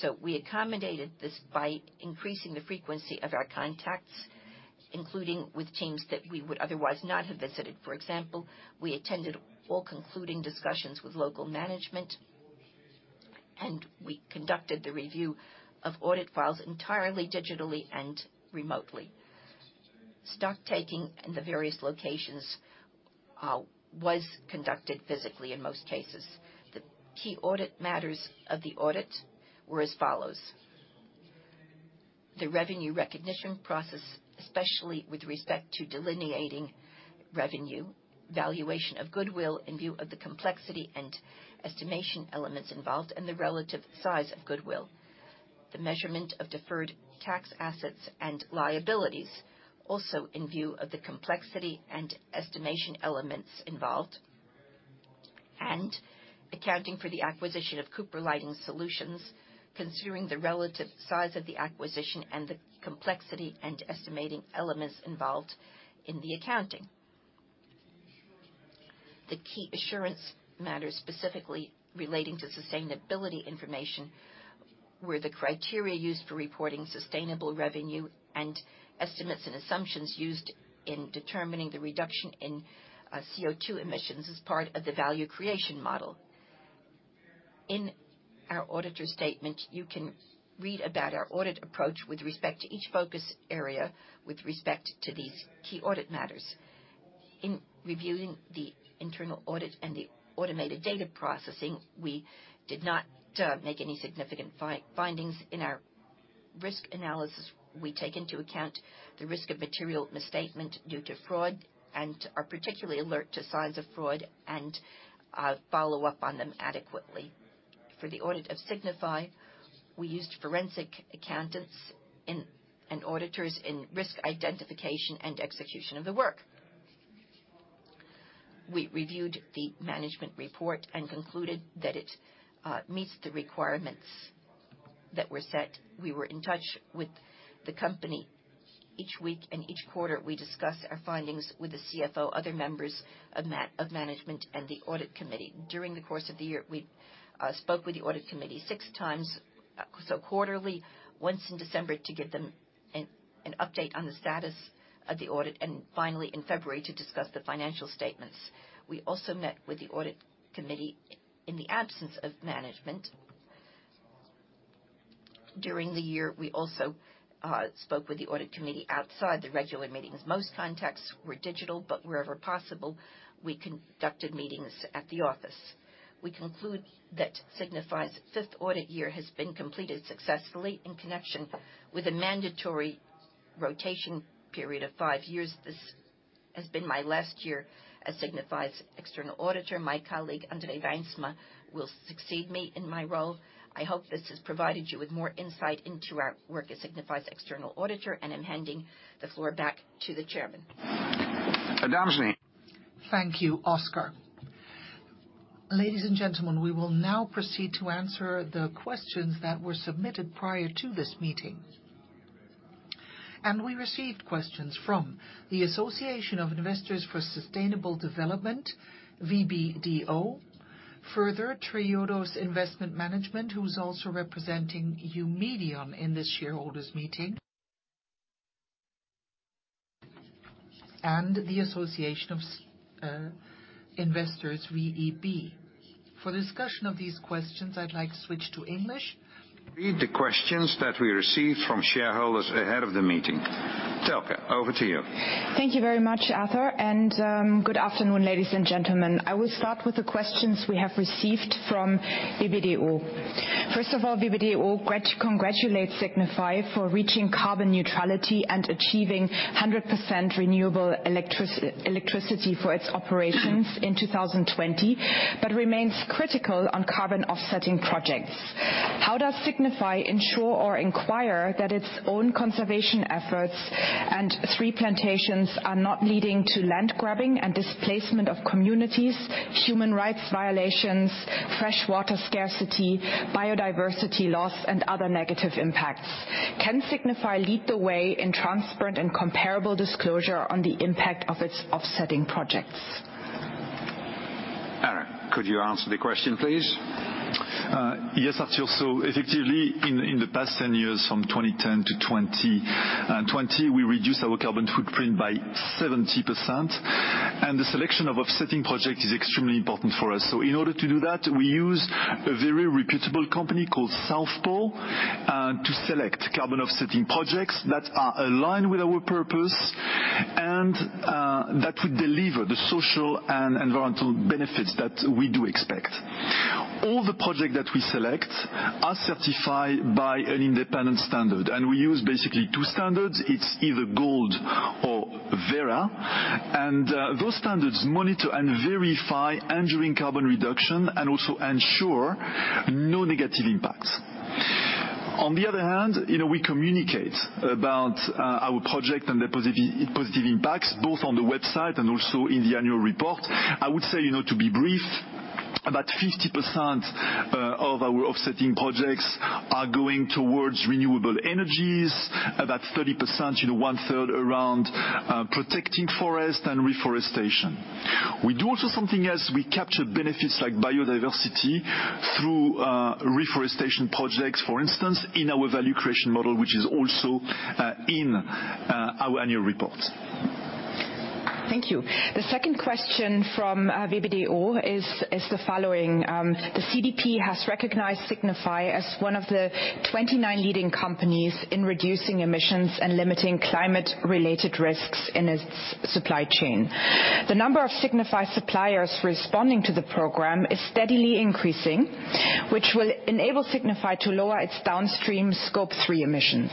so we accommodated this by increasing the frequency of our contacts, including with teams that we would otherwise not have visited. For example, we attended all concluding discussions with local management, and we conducted the review of audit files entirely digitally and remotely. Stocktaking in the various locations was conducted physically in most cases. The key audit matters of the audit were as follows. The revenue recognition process, especially with respect to delineating revenue, valuation of goodwill in view of the complexity and estimation elements involved, and the relative size of goodwill. The measurement of deferred tax assets and liabilities, also in view of the complexity and estimation elements involved. Accounting for the acquisition of Cooper Lighting Solutions, considering the relative size of the acquisition and the complexity and estimating elements involved in the accounting. The key assurance matters specifically relating to sustainability information were the criteria used for reporting sustainable revenue and estimates and assumptions used in determining the reduction in CO2 emissions as part of the value creation model. In our auditor statement, you can read about our audit approach with respect to each focus area with respect to these key audit matters. In reviewing the internal audit and the automated data processing, we did not make any significant findings. In our risk analysis, we take into account the risk of material misstatement due to fraud and are particularly alert to signs of fraud and follow up on them adequately. For the audit of Signify, we used forensic accountants and auditors in risk identification and execution of the work. We reviewed the management report and concluded that it meets the requirements that were set. We were in touch with the company each week and each quarter. We discussed our findings with the CFO, other members of management, and the audit committee. During the course of the year, we spoke with the audit committee six times, so quarterly, once in December to give them an update on the status of the audit, and finally in February to discuss the financial statements. We also met with the audit committee in the absence of management. During the year, we also spoke with the audit committee outside the regular meetings. Most contacts were digital, but wherever possible, we conducted meetings at the office. We conclude that Signify's 5th audit year has been completed successfully in connection with a mandatory rotation period of five years. This has been my last year as Signify's external auditor. My colleague, André Reijnsma, will succeed me in my role. I hope this has provided you with more insight into our work as Signify's external auditor, and I'm handing the floor back to the chairman.
Thank you Oscar. Ladies and gentlemen, we will now proceed to answer the questions that were submitted prior to this meeting. We received questions from the Association of Investors for Sustainable Development, VBDO. Further, Triodos Investment Management, who is also representing Eumedion in this shareholders' meeting, and the Association of Investors, VEB. For discussion of these questions, I'd like to switch to English. Read the questions that we received from shareholders ahead of the meeting. Thelke over to you.
Thank you very much Arthur. Good afternoon ladies and gentlemen. I will start with the questions we have received from VBDO. First of all, VBDO would like to congratulate Signify for reaching carbon neutrality and achieving 100% renewable electricity for its operations in 2020 but remains critical on carbon offsetting projects. How does Signify ensure or inquire that its own conservation efforts and tree plantations are not leading to land grabbing and displacement of communities, human rights violations, freshwater scarcity, biodiversity loss, and other negative impacts? Can Signify lead the way in transparent and comparable disclosure on the impact of its offsetting projects?
Eric could you answer the question please?
Yes Arthur. Effectively, in the past 10 years, from 2010-2020, we reduced our carbon footprint by 70%, and the selection of offsetting project is extremely important for us. In order to do that, we use a very reputable company called South Pole to select carbon offsetting projects that are aligned with our purpose and that would deliver the social and environmental benefits that we do expect. All the projects that we select are certified by an independent standard, and we use basically two standards. It's either Gold or Verra, those standards monitor and verify enduring carbon reduction and also ensure no negative impacts. On the other hand, we communicate about our project and the positive impacts, both on the website and also in the annual report. I would say, to be brief, about 50% of our offsetting projects are going towards renewable energies, about 30%, one-third, around protecting forest and reforestation. We do also something else. We capture benefits like biodiversity through reforestation projects, for instance, in our value creation model, which is also in our annual report.
Thank you. The second question from VBDO is the following. The CDP has recognized Signify as one of the 29 leading companies in reducing emissions and limiting climate-related risks in its supply chain. The number of Signify suppliers responding to the program is steadily increasing, which will enable Signify to lower its downstream Scope 3 emissions.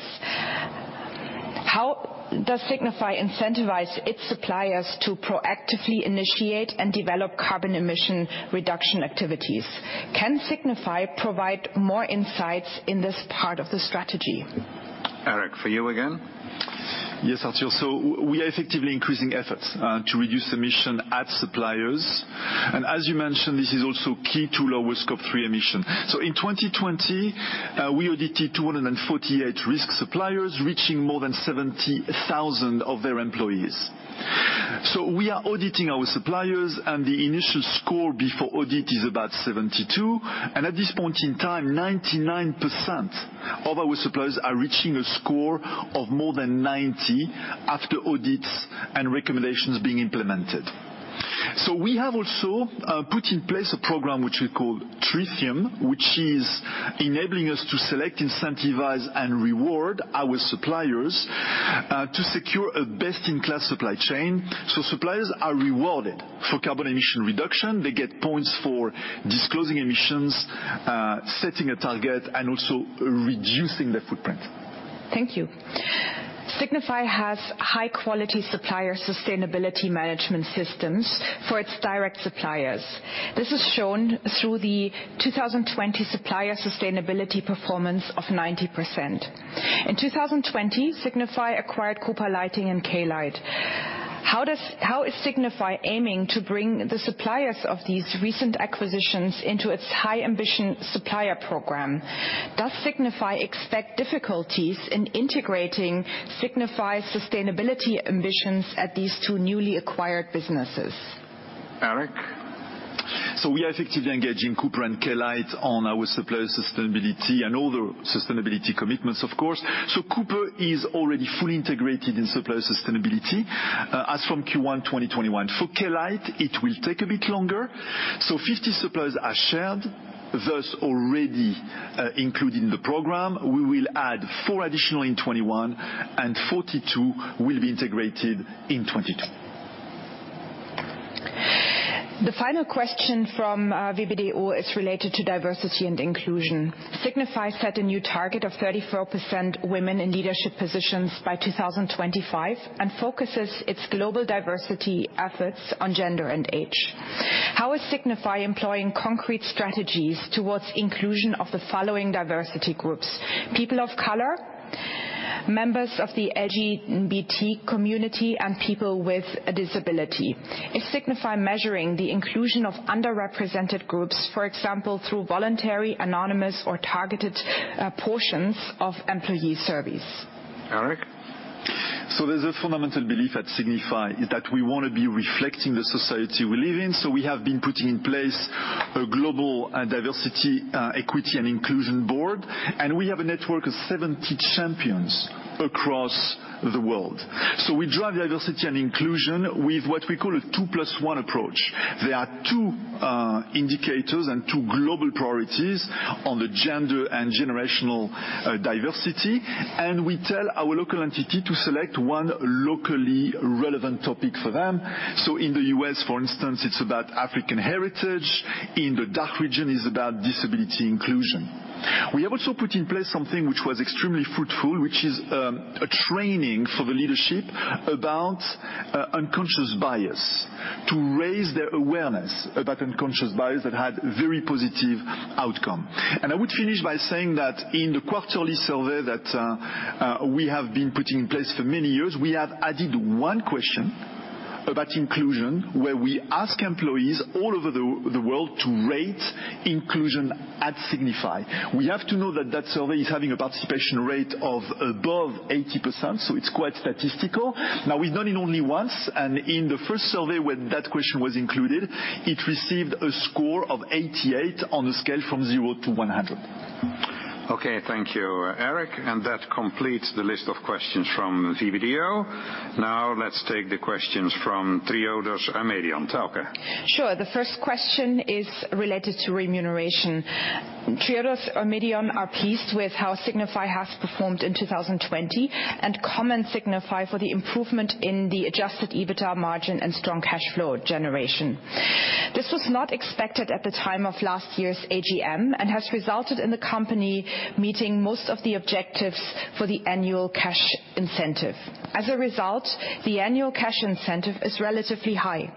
How does Signify incentivize its suppliers to proactively initiate and develop carbon emission reduction activities? Can Signify provide more insights in this part of the strategy?
Eric, for you again.
Yes Arthur. We are effectively increasing efforts to reduce emission at suppliers. As you mentioned, this is also key to lower Scope 3 emissions. In 2020, we audited 248 risk suppliers, reaching more than 70,000 of their employees. We are auditing our suppliers, and the initial score before audit is about 72. At this point in time, 99% of our suppliers are reaching a score of more than 90 after audits and recommendations being implemented. We have also put in place a program which we call Tritium, which is enabling us to select, incentivize, and reward our suppliers to secure a best-in-class supply chain. Suppliers are rewarded for carbon emission reduction. They get points for disclosing emissions, setting a target, and also reducing their footprint.
Thank you. Signify has high-quality supplier sustainability management systems for its direct suppliers. This is shown through the 2020 supplier sustainability performance of 90%. In 2020, Signify acquired Cooper Lighting and Klite. How is Signify aiming to bring the suppliers of these recent acquisitions into its high-ambition supplier program? Does Signify expect difficulties in integrating Signify's sustainability ambitions at these two newly acquired businesses?
Eric?
We are effectively engaging Cooper and Klite on our supplier sustainability and all the sustainability commitments, of course. Cooper is already fully integrated in supplier sustainability as from Q1 2021. For Klite, it will take a bit longer. 50 suppliers are shared, thus already included in the program. We will add four additional in 2021, and 42 will be integrated in 2022.
The final question from VBDO is related to diversity and inclusion. Signify set a new target of 34% women in leadership positions by 2025 and focuses its global diversity efforts on gender and age. How is Signify employing concrete strategies towards inclusion of the following diversity groups: people of color, members of the LGBT community, and people with a disability? Is Signify measuring the inclusion of underrepresented groups, for example, through voluntary, anonymous, or targeted portions of employee surveys?
Eric?
There's a fundamental belief at Signify that we want to be reflecting the society we live in, we have been putting in place a global diversity, equity, and inclusion board, and we have a network of 70 champions across the world. We drive diversity and inclusion with what we call a two plus one approach. There are two indicators and two global priorities on the gender and generational diversity, and we tell our local entity to select one locally relevant topic for them. In the U.S., for instance, it's about African heritage. In the DACH region, it's about disability inclusion. We also put in place something which was extremely fruitful, which is a training for the leadership about unconscious bias to raise their awareness about unconscious bias. That had a very positive outcome. I would finish by saying that in the quarterly survey that we have been putting in place for many years, we have added one question about inclusion, where we ask employees all over the world to rate inclusion at Signify. We have to know that that survey is having a participation rate of above 80%, so it's quite statistical. Now, we've done it only once, and in the first survey where that question was included, it received a score of 88 on a scale from 0-100.
Okay. Thank you Eric. That completes the list of questions from VBDO. Now let's take the questions from Triodos and Eumedion. Thelke?
Sure. The first question is related to remuneration. Triodos Eumedion are pleased with how Signify has performed in 2020 and commend Signify for the improvement in the Adjusted EBITA margin and strong cash flow generation. This was not expected at the time of last year's AGM and has resulted in the company meeting most of the objectives for the annual cash incentive. As a result, the annual cash incentive is relatively high.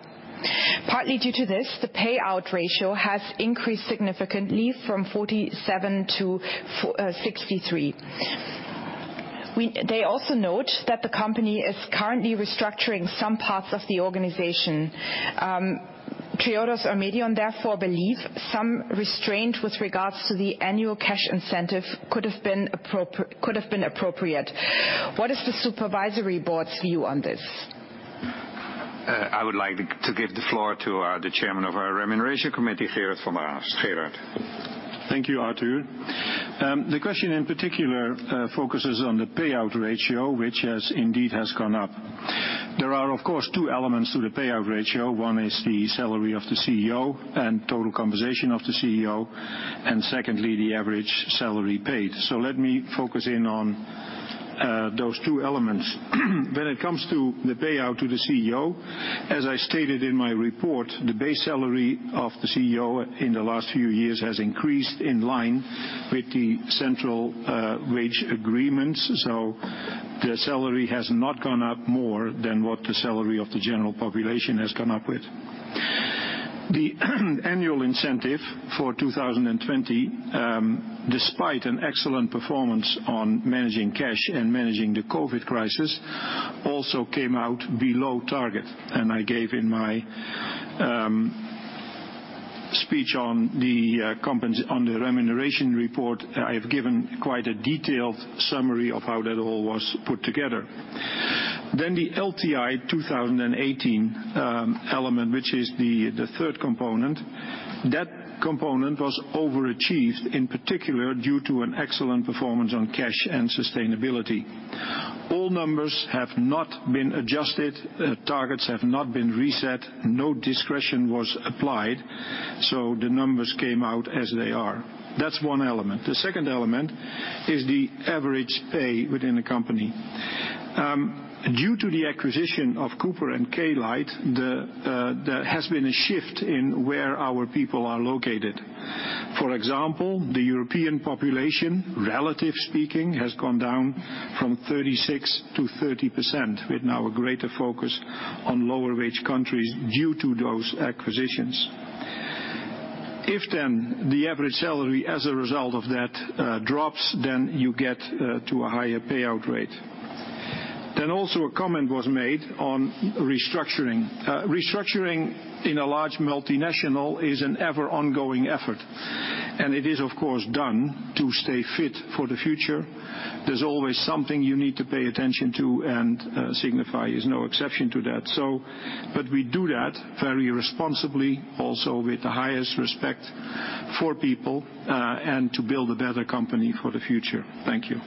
Partly due to this, the payout ratio has increased significantly from 47% to 63%. They also note that the company is currently restructuring some parts of the organization. Triodos Eumedion therefore believe some restraint with regards to the annual cash incentive could have been appropriate. What is the Supervisory Board's view on this?
I would like to give the floor to the chairman of our remuneration committee, Gerard van de Aast.
Thank you Arthur. The question in particular focuses on the payout ratio, which indeed has gone up. There are, of course, two elements to the payout ratio. One is the salary of the CEO and total compensation of the CEO, and secondly, the average salary paid. Let me focus in on those two elements. When it comes to the payout to the CEO, as I stated in my report, the base salary of the CEO in the last few years has increased in line with the central wage agreements. The salary has not gone up more than what the salary of the general population has gone up with. The annual incentive for 2020, despite an excellent performance on managing cash and managing the COVID crisis, also came out below target, and I gave in my speech on the remuneration report, I've given quite a detailed summary of how that all was put together. The LTI 2018 element, which is the third component. That component was overachieved, in particular due to an excellent performance on cash and sustainability. All numbers have not been adjusted. Targets have not been reset. No discretion was applied. The numbers came out as they are. That's one element. The second element is the average pay within the company. Due to the acquisition of Cooper and Klite, there has been a shift in where our people are located. For example, the European population, relatively speaking, has gone down from 36% to 30%, with now a greater focus on lower-wage countries due to those acquisitions. The average salary as a result of that drops, then you get to a higher payout rate. A comment was made on restructuring. Restructuring in a large multinational is an ever ongoing effort, and it is, of course, done to stay fit for the future. There's always something you need to pay attention to. Signify is no exception to that. We do that very responsibly, also with the highest respect for people, and to build a better company for the future. Thank you.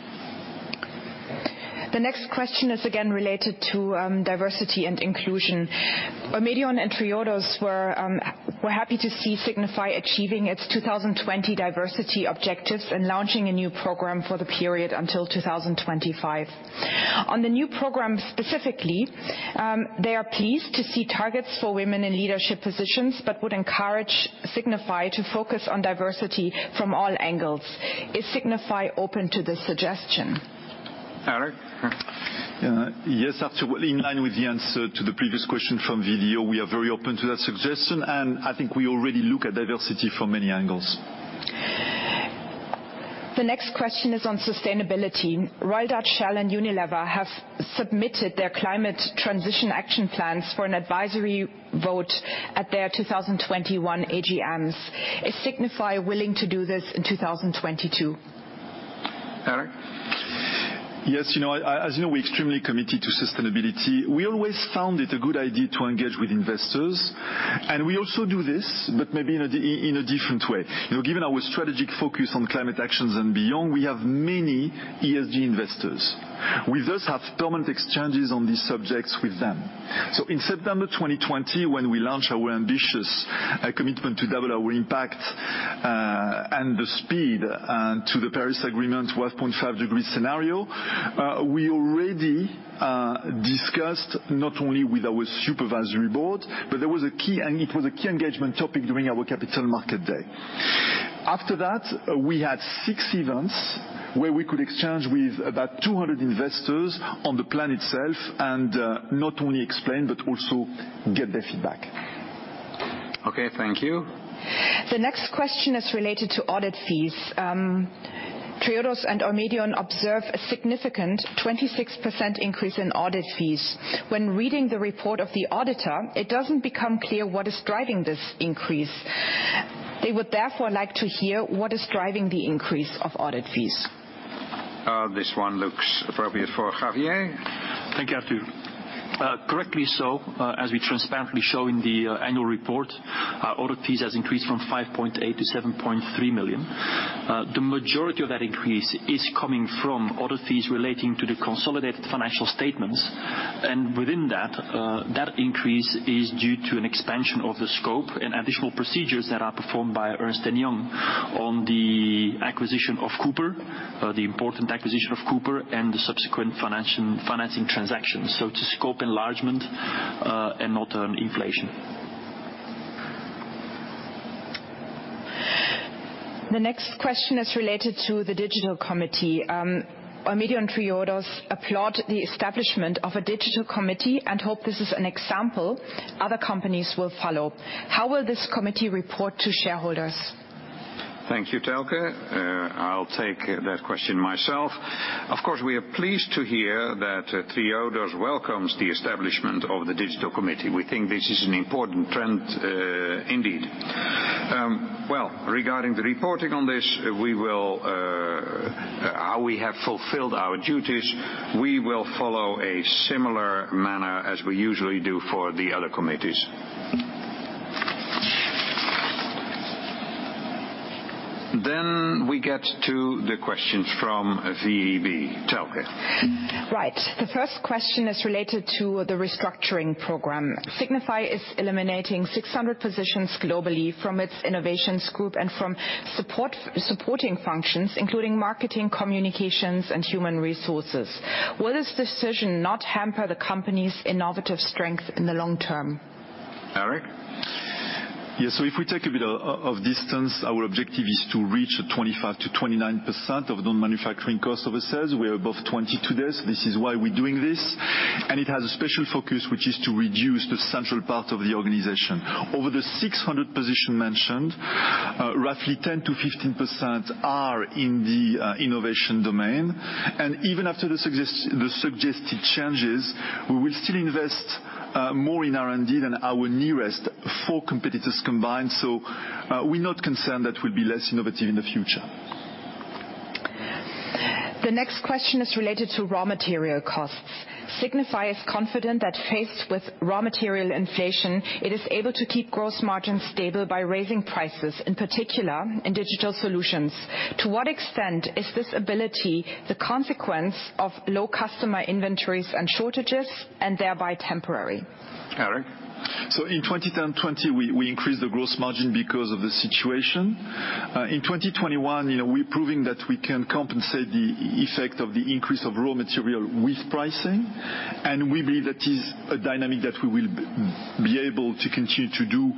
The next question is again related to diversity and inclusion. Eumedion and Triodos were happy to see Signify achieving its 2020 diversity objectives and launching a new program for the period until 2025. On the new program specifically, they are pleased to see targets for women in leadership positions, but would encourage Signify to focus on diversity from all angles. Is Signify open to this suggestion?
Eric?
Yes Arthur. In line with the answer to the previous question from VEB, we are very open to that suggestion, and I think we already look at diversity from many angles.
The next question is on sustainability. Royal Dutch Shell and Unilever have submitted their climate transition action plans for an advisory vote at their 2021 AGMs. Is Signify willing to do this in 2022?
Eric?
Yes. As you know, we're extremely committed to sustainability. We always found it a good idea to engage with investors, and we also do this, but maybe in a different way. Given our strategic focus on climate actions and beyond, we have many ESG investors. We thus have permanent exchanges on these subjects with them. In September 2020, when we launched our ambitious commitment to double our impact, and the speed to the Paris Agreement 1.5 degree scenario, we already discussed not only with our Supervisory Board, but it was a key engagement topic during our capital market day. After that, we had six events where we could exchange with about 200 investors on the plan itself, and not only explain, but also get their feedback.
Okay thank you.
The next question is related to audit fees. Triodos and Eumedion observe a significant 26% increase in audit fees. When reading the report of the auditor, it doesn't become clear what is driving this increase. They would therefore like to hear what is driving the increase of audit fees.
This one looks appropriate for Javier.
Thank you Arthur. Correctly, as we transparently show in the annual report, our audit fees has increased from 5.8 million to 7.3 million. The majority of that increase is coming from audit fees relating to the consolidated financial statements, and within that increase is due to an expansion of the scope and additional procedures that are performed by Ernst & Young on the acquisition of Cooper, the important acquisition of Cooper, and the subsequent financing transactions. It's a scope enlargement, and not an inflation.
The next question is related to the digital committee. Eumedion, Triodos applaud the establishment of a digital committee and hope this is an example other companies will follow. How will this committee report to shareholders?
Thank you Thelke. I'll take that question myself. Of course, we are pleased to hear that Triodos welcomes the establishment of the digital committee. We think this is an important trend indeed. Well, regarding the reporting on this, how we have fulfilled our duties, we will follow a similar manner as we usually do for the other committees. We get to the questions from VEB. Thelke?
Right. The first question is related to the restructuring program. Signify is eliminating 600 positions globally from its innovations group and from supporting functions, including marketing, communications, and human resources. Will this decision not hamper the company's innovative strength in the long term?
Eric?
If we take a bit of distance, our objective is to reach a 25%-29% of non-manufacturing cost of sales. We are above 20% today. This is why we're doing this, and it has a special focus, which is to reduce the central part of the organization. Over the 600 positions mentioned, roughly 10%-15% are in the innovation domain, and even after the suggested changes, we will still invest more in R&D than our nearest four competitors combined. We're not concerned that we'll be less innovative in the future.
The next question is related to raw material costs. Signify is confident that faced with raw material inflation, it is able to keep gross margins stable by raising prices, in particular in Digital Solutions. To what extent is this ability the consequence of low customer inventories and shortages, and thereby temporary?
Eric?
In 2020, we increased the gross margin because of the situation. In 2021, we're proving that we can compensate the effect of the increase of raw material with pricing, and we believe that is a dynamic that we will be able to continue to do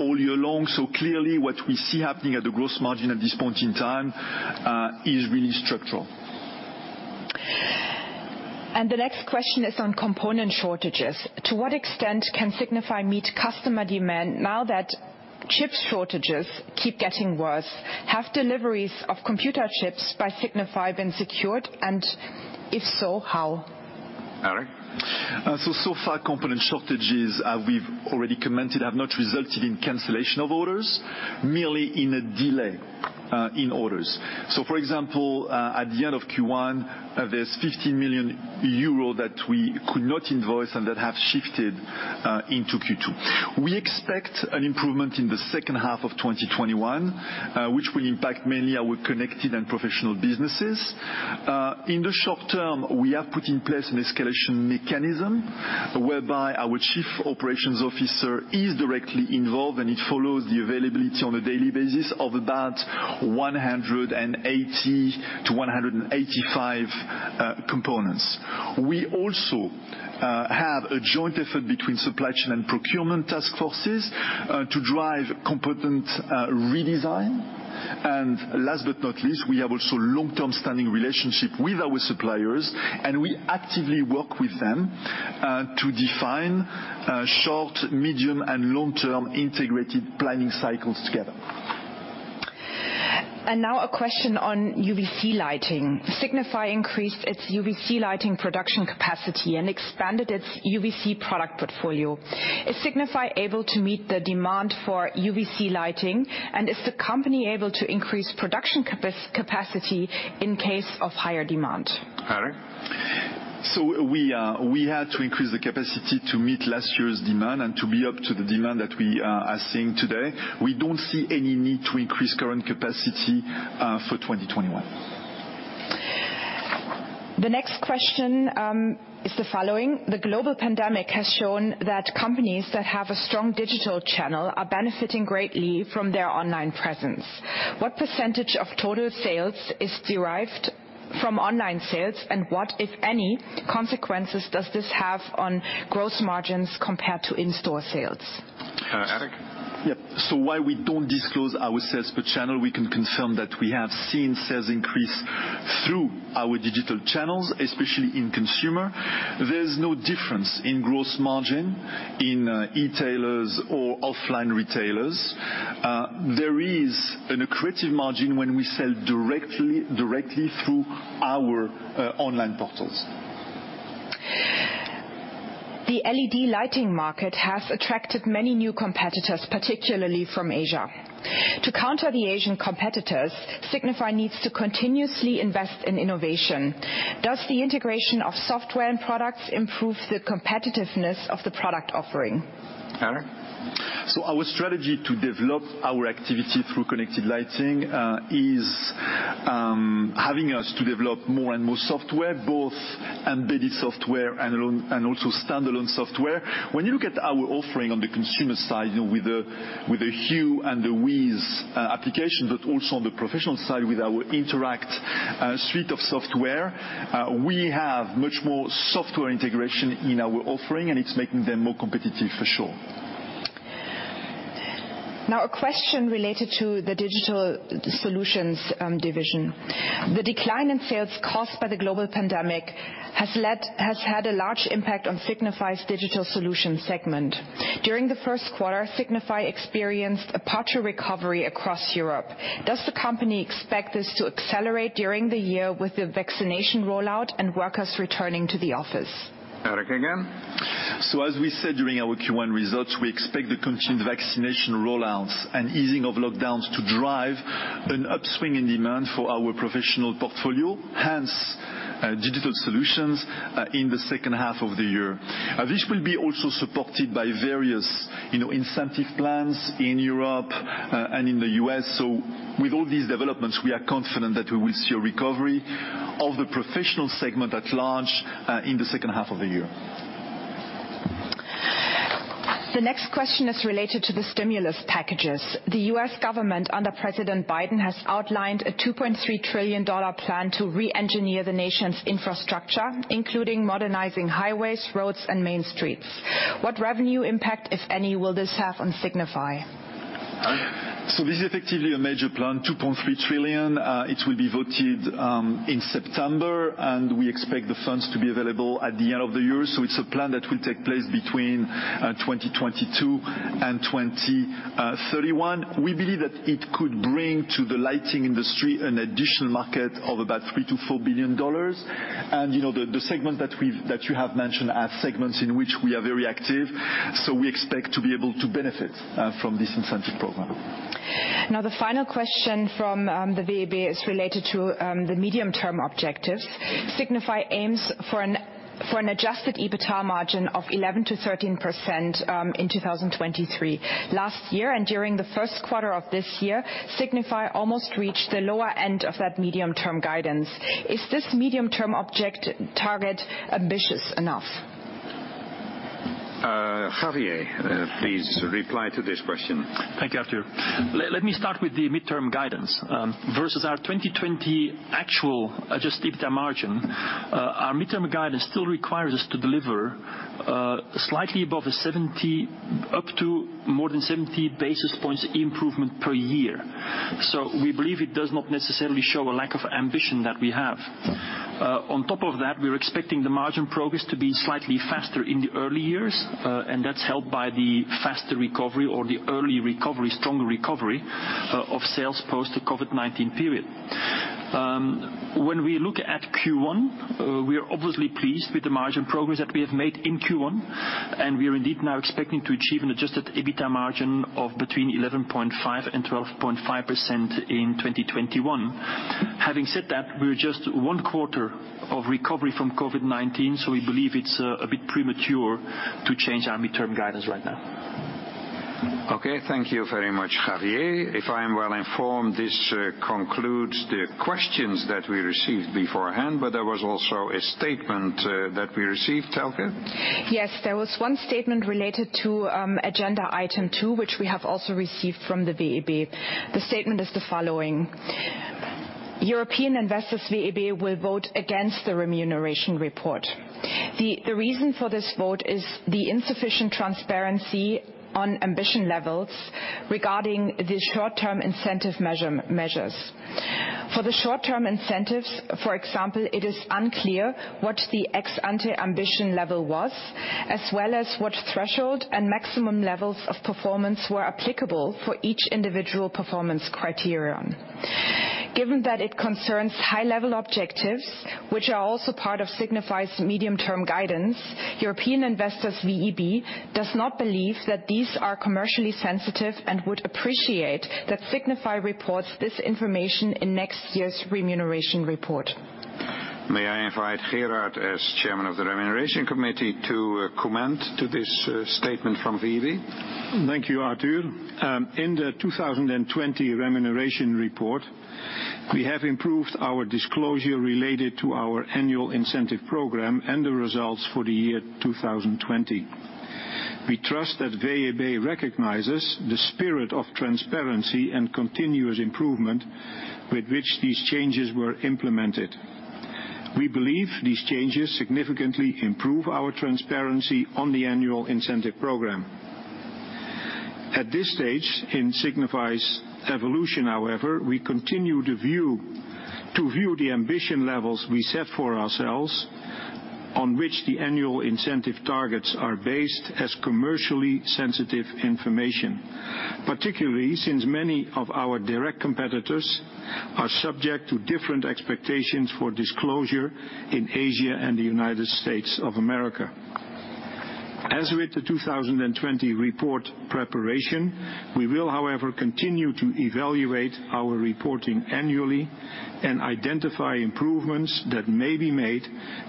all year long. Clearly what we see happening at the gross margin at this point in time is really structural.
The next question is on component shortages. To what extent can Signify meet customer demand now that chip shortages keep getting worse? Have deliveries of computer chips by Signify been secured, and if so, how?
Eric?
Far, component shortages, we've already commented, have not resulted in cancellation of orders, merely in a delay in orders. For example, at the end of Q1, there's 50 million euro that we could not invoice and that have shifted into Q2. We expect an improvement in the second half of 2021, which will impact mainly our connected and professional businesses. In the short term, we have put in place an escalation mechanism whereby our Chief Operations Officer is directly involved, and he follows the availability on a daily basis of about 180-185 components. We also have a joint effort between supply chain and procurement task forces to drive component redesign. Last but not least, we have also long-term standing relationship with our suppliers, and we actively work with them to define short, medium, and long-term integrated planning cycles together.
Now a question on UVC lighting. Signify increased its UVC lighting production capacity and expanded its UVC product portfolio. Is Signify able to meet the demand for UVC lighting, and is the company able to increase production capacity in case of higher demand?
Eric?
We had to increase the capacity to meet last year's demand and to be up to the demand that we are seeing today. We don't see any need to increase current capacity for 2021.
The next question is the following: The global pandemic has shown that companies that have a strong digital channel are benefiting greatly from their online presence. What % of total sales is derived from online sales, and what, if any, consequences does this have on gross margins compared to in-store sales?
Eric?
Yep. While we don't disclose our sales per channel, we can confirm that we have seen sales increase through our digital channels, especially in consumer. There's no difference in gross margin in e-tailers or offline retailers. There is an accretive margin when we sell directly through our online portals.
The LED lighting market has attracted many new competitors, particularly from Asia. To counter the Asian competitors, Signify needs to continuously invest in innovation. Does the integration of software and products improve the competitiveness of the product offering?
Eric?
Our strategy to develop our activity through connected lighting is having us to develop more and more software, both embedded software and also standalone software. When you look at our offering on the consumer side with the Hue and the WiZ application, but also on the professional side with our Interact suite of software, we have much more software integration in our offering, and it's making them more competitive for sure.
Now a question related to the Digital Solutions division. The decline in sales caused by the global pandemic has had a large impact on Signify's Digital Solutions segment. During the first quarter, Signify experienced a partial recovery across Europe. Does the company expect this to accelerate during the year with the vaccination rollout and workers returning to the office?
Eric again.
As we said during our Q1 results, we expect the continued vaccination rollouts and easing of lockdowns to drive an upswing in demand for our professional portfolio, hence Digital Solutions in the second half of the year. This will be also supported by various incentive plans in Europe and in the U.S. With all these developments, we are confident that we will see a recovery of the professional segment at large in the second half of the year.
The next question is related to the stimulus packages. The U.S. government under President Biden has outlined a $2.3 trillion plan to re-engineer the nation's infrastructure, including modernizing highways, roads, and main streets. What revenue impact, if any, will this have on Signify?
This is effectively a major plan, $2.3 trillion. It will be voted in September, and we expect the funds to be available at the end of the year. It's a plan that will take place between 2022 and 2031. We believe that it could bring to the lighting industry an additional market of about $3 billion-$4 billion. The segment that you have mentioned are segments in which we are very active, so we expect to be able to benefit from this incentive program.
The final question from the VEB is related to the medium-term objectives. Signify aims for an Adjusted EBITDA margin of 11%-13% in 2023. Last year and during the first quarter of this year, Signify almost reached the lower end of that medium-term guidance. Is this medium-term object target ambitious enough?
Javier van Engelen, please reply to this question.
Thank you. Let me start with the midterm guidance. Versus our 2020 actual adjusted EBITDA margin, our midterm guidance still requires us to deliver slightly above a 70, up to more than 70 basis points improvement per year. We believe it does not necessarily show a lack of ambition that we have. On top of that, we're expecting the margin progress to be slightly faster in the early years, and that's helped by the faster recovery or the early recovery, strong recovery of sales post-COVID-19 period. When we look at Q1, we are obviously pleased with the margin progress that we have made in Q1, and we are indeed now expecting to achieve an Adjusted EBITDA margin of between 11.5% and 12.5% in 2021. Having said that, we're just one quarter of recovery from COVID-19, so we believe it's a bit premature to change our midterm guidance right now.
Okay. Thank you very much Javier. If I am well informed, this concludes the questions that we received beforehand, there was also a statement that we received. Thelke?
Yes. There was one statement related to agenda item two, which we have also received from the VEB. The statement is the following. European Investors-VEB will vote against the remuneration report. The reason for this vote is the insufficient transparency on ambition levels regarding the short-term incentive measures. For the short-term incentives, for example, it is unclear what the ex-ante ambition level was, as well as what threshold and maximum levels of performance were applicable for each individual performance criterion. Given that it concerns high-level objectives, which are also part of Signify's medium-term guidance, European Investors-VEB does not believe that these are commercially sensitive and would appreciate that Signify reports this information in next year's remuneration report.
May I invite Gerard as chairman of the Remuneration Committee to comment to this statement from VEB?
Thank you Arthur. In the 2020 remuneration report, we have improved our disclosure related to our annual incentive program and the results for the year 2020. We trust that VEB recognizes the spirit of transparency and continuous improvement with which these changes were implemented. We believe these changes significantly improve our transparency on the annual incentive program. At this stage in Signify's evolution, however, we continue to view the ambition levels we set for ourselves on which the annual incentive targets are based as commercially sensitive information, particularly since many of our direct competitors are subject to different expectations for disclosure in Asia and the United States of America. As with the 2020 report preparation, we will, however, continue to evaluate our reporting annually and identify improvements that may be made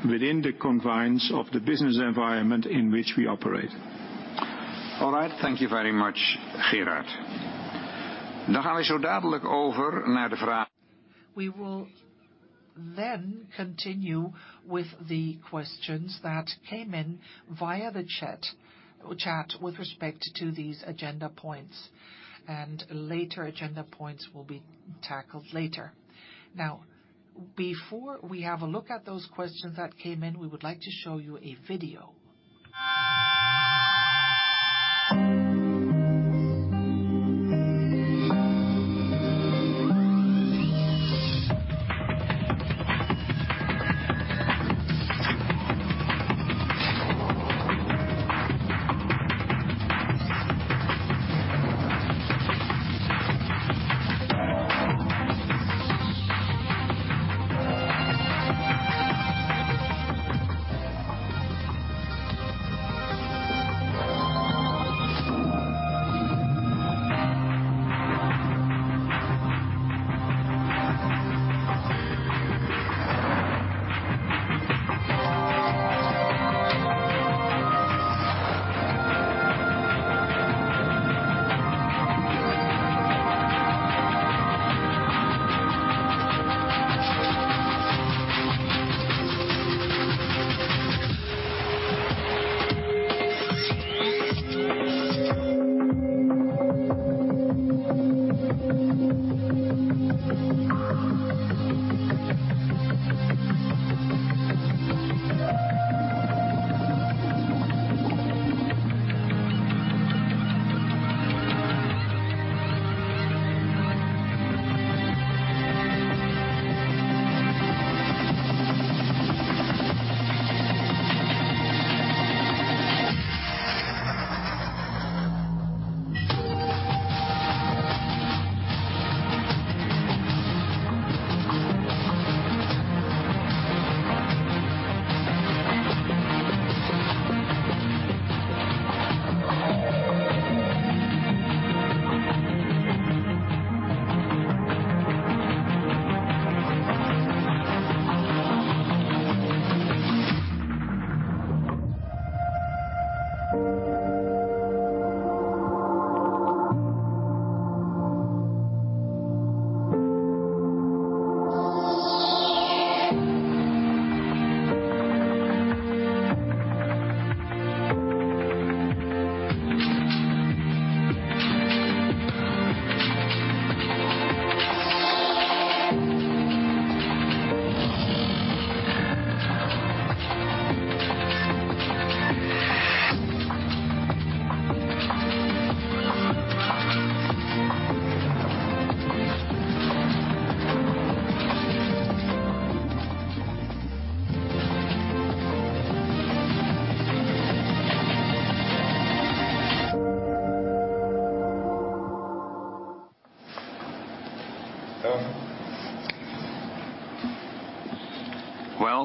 within the confines of the business environment in which we operate.
All right. Thank you very much Gerard. We will then continue with the questions that came in via the chat with respect to these agenda points, and later agenda points will be tackled later. Before we have a look at those questions that came in, we would like to show you a video.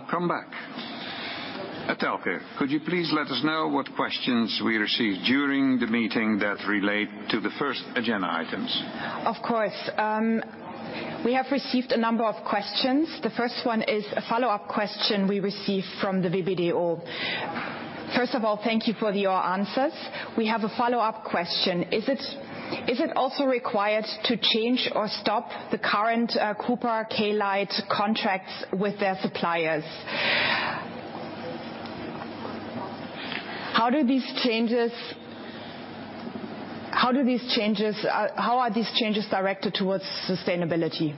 Welcome back. Thelke, could you please let us know what questions we received during the meeting that relate to the first agenda items?
Of course. We have received a number of questions. The first one is a follow-up question we received from the VEB. First of all, thank you for your answers. We have a follow-up question. Is it also required to change or stop the current Cooper, Klite contracts with their suppliers? How are these changes directed towards sustainability?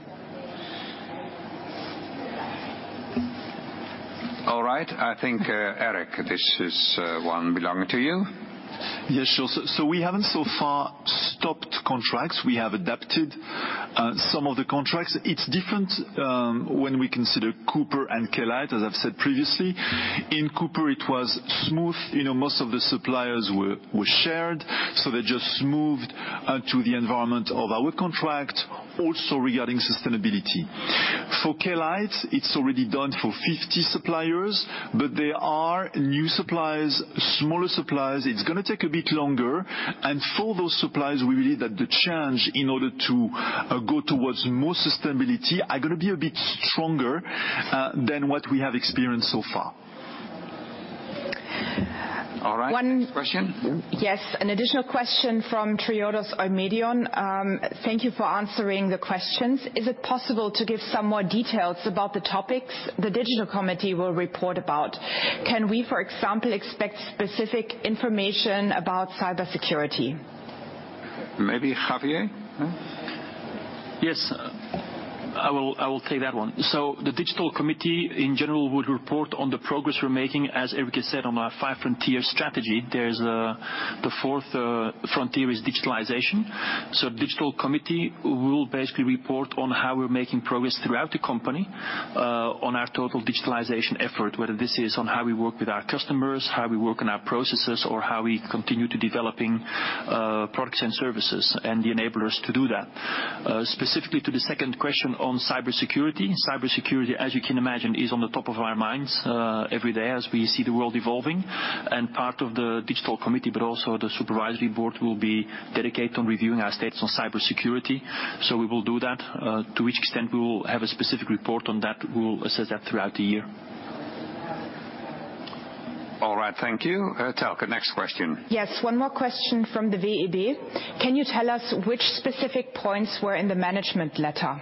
All right. I think, Eric, this one belongs to you.
Yes sure. We haven't so far stopped contracts. We have adapted some of the contracts. It's different when we consider Cooper and Klite, as I've said previously. In Cooper, it was smooth. Most of the suppliers were shared, so they just moved to the environment of our contract, also regarding sustainability. For Klite, it's already done for 50 suppliers, but there are new suppliers, smaller suppliers. It's going to take a bit longer. For those suppliers, we believe that the change in order to go towards more sustainability are going to be a bit stronger than what we have experienced so far.
All right. Next question.
An additional question from Triodos Oikocredit. Thank you for answering the questions. Is it possible to give some more details about the topics the digital committee will report about? Can we, for example, expect specific information about cybersecurity?
Maybe, Javier?
Yes. I will take that one. The digital committee, in general, would report on the progress we're making, as Eric has said, on our Five Frontiers strategy. The fourth frontier is digitalization. The digital committee will basically report on how we're making progress throughout the company on our total digitalization effort, whether this is on how we work with our customers, how we work on our processes, or how we continue to developing products and services and the enablers to do that. Specifically to the second question on cybersecurity. Cybersecurity, as you can imagine, is on the top of our minds every day as we see the world evolving. Part of the digital committee, but also the supervisory board, will be dedicated on reviewing our status on cybersecurity. We will do that. To which extent we will have a specific report on that, we will assess that throughout the year.
All right. Thank you. Thelke next question.
Yes, one more question from the VVD. Can you tell us which specific points were in the management letter?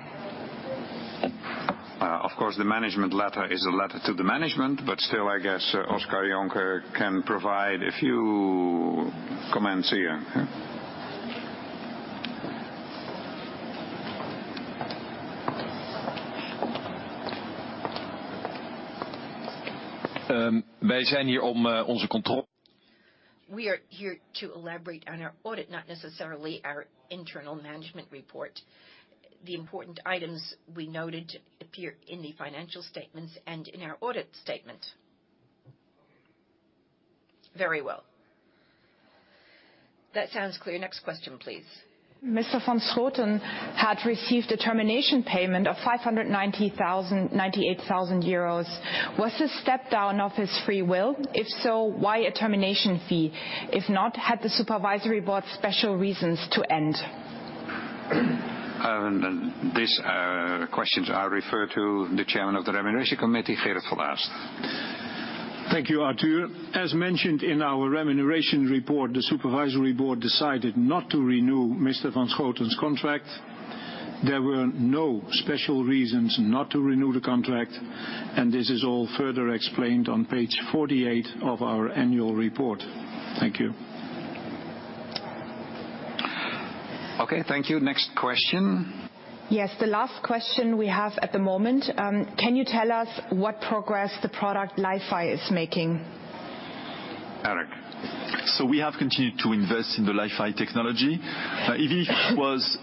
Of course, the management letter is a letter to the management, but still, I guess Oscar Jonker can provide a few comments here.
We are here to elaborate on our audit, not necessarily our internal management report. The important items we noted appear in the financial statements and in our audit statement.
Very well. That sounds clear. Next question please.
René van Schooten had received a termination payment of 598,000 euros. Was the step down of his free will? If so, why a termination fee? If not, had the supervisory board special reasons to end?
This question I refer to the Chairman of the Remuneration Committee, Gerard van de Aast.
Thank you Arthur. As mentioned in our remuneration report, the supervisory board decided not to renew René van Schooten's contract. There were no special reasons not to renew the contract, and this is all further explained on page 48 of our annual report. Thank you.
Okay, thank you. Next question.
The last question we have at the moment. Can you tell us what progress the product Trulifi is making?
Eric?
We have continued to invest in the Trulifi technology. It was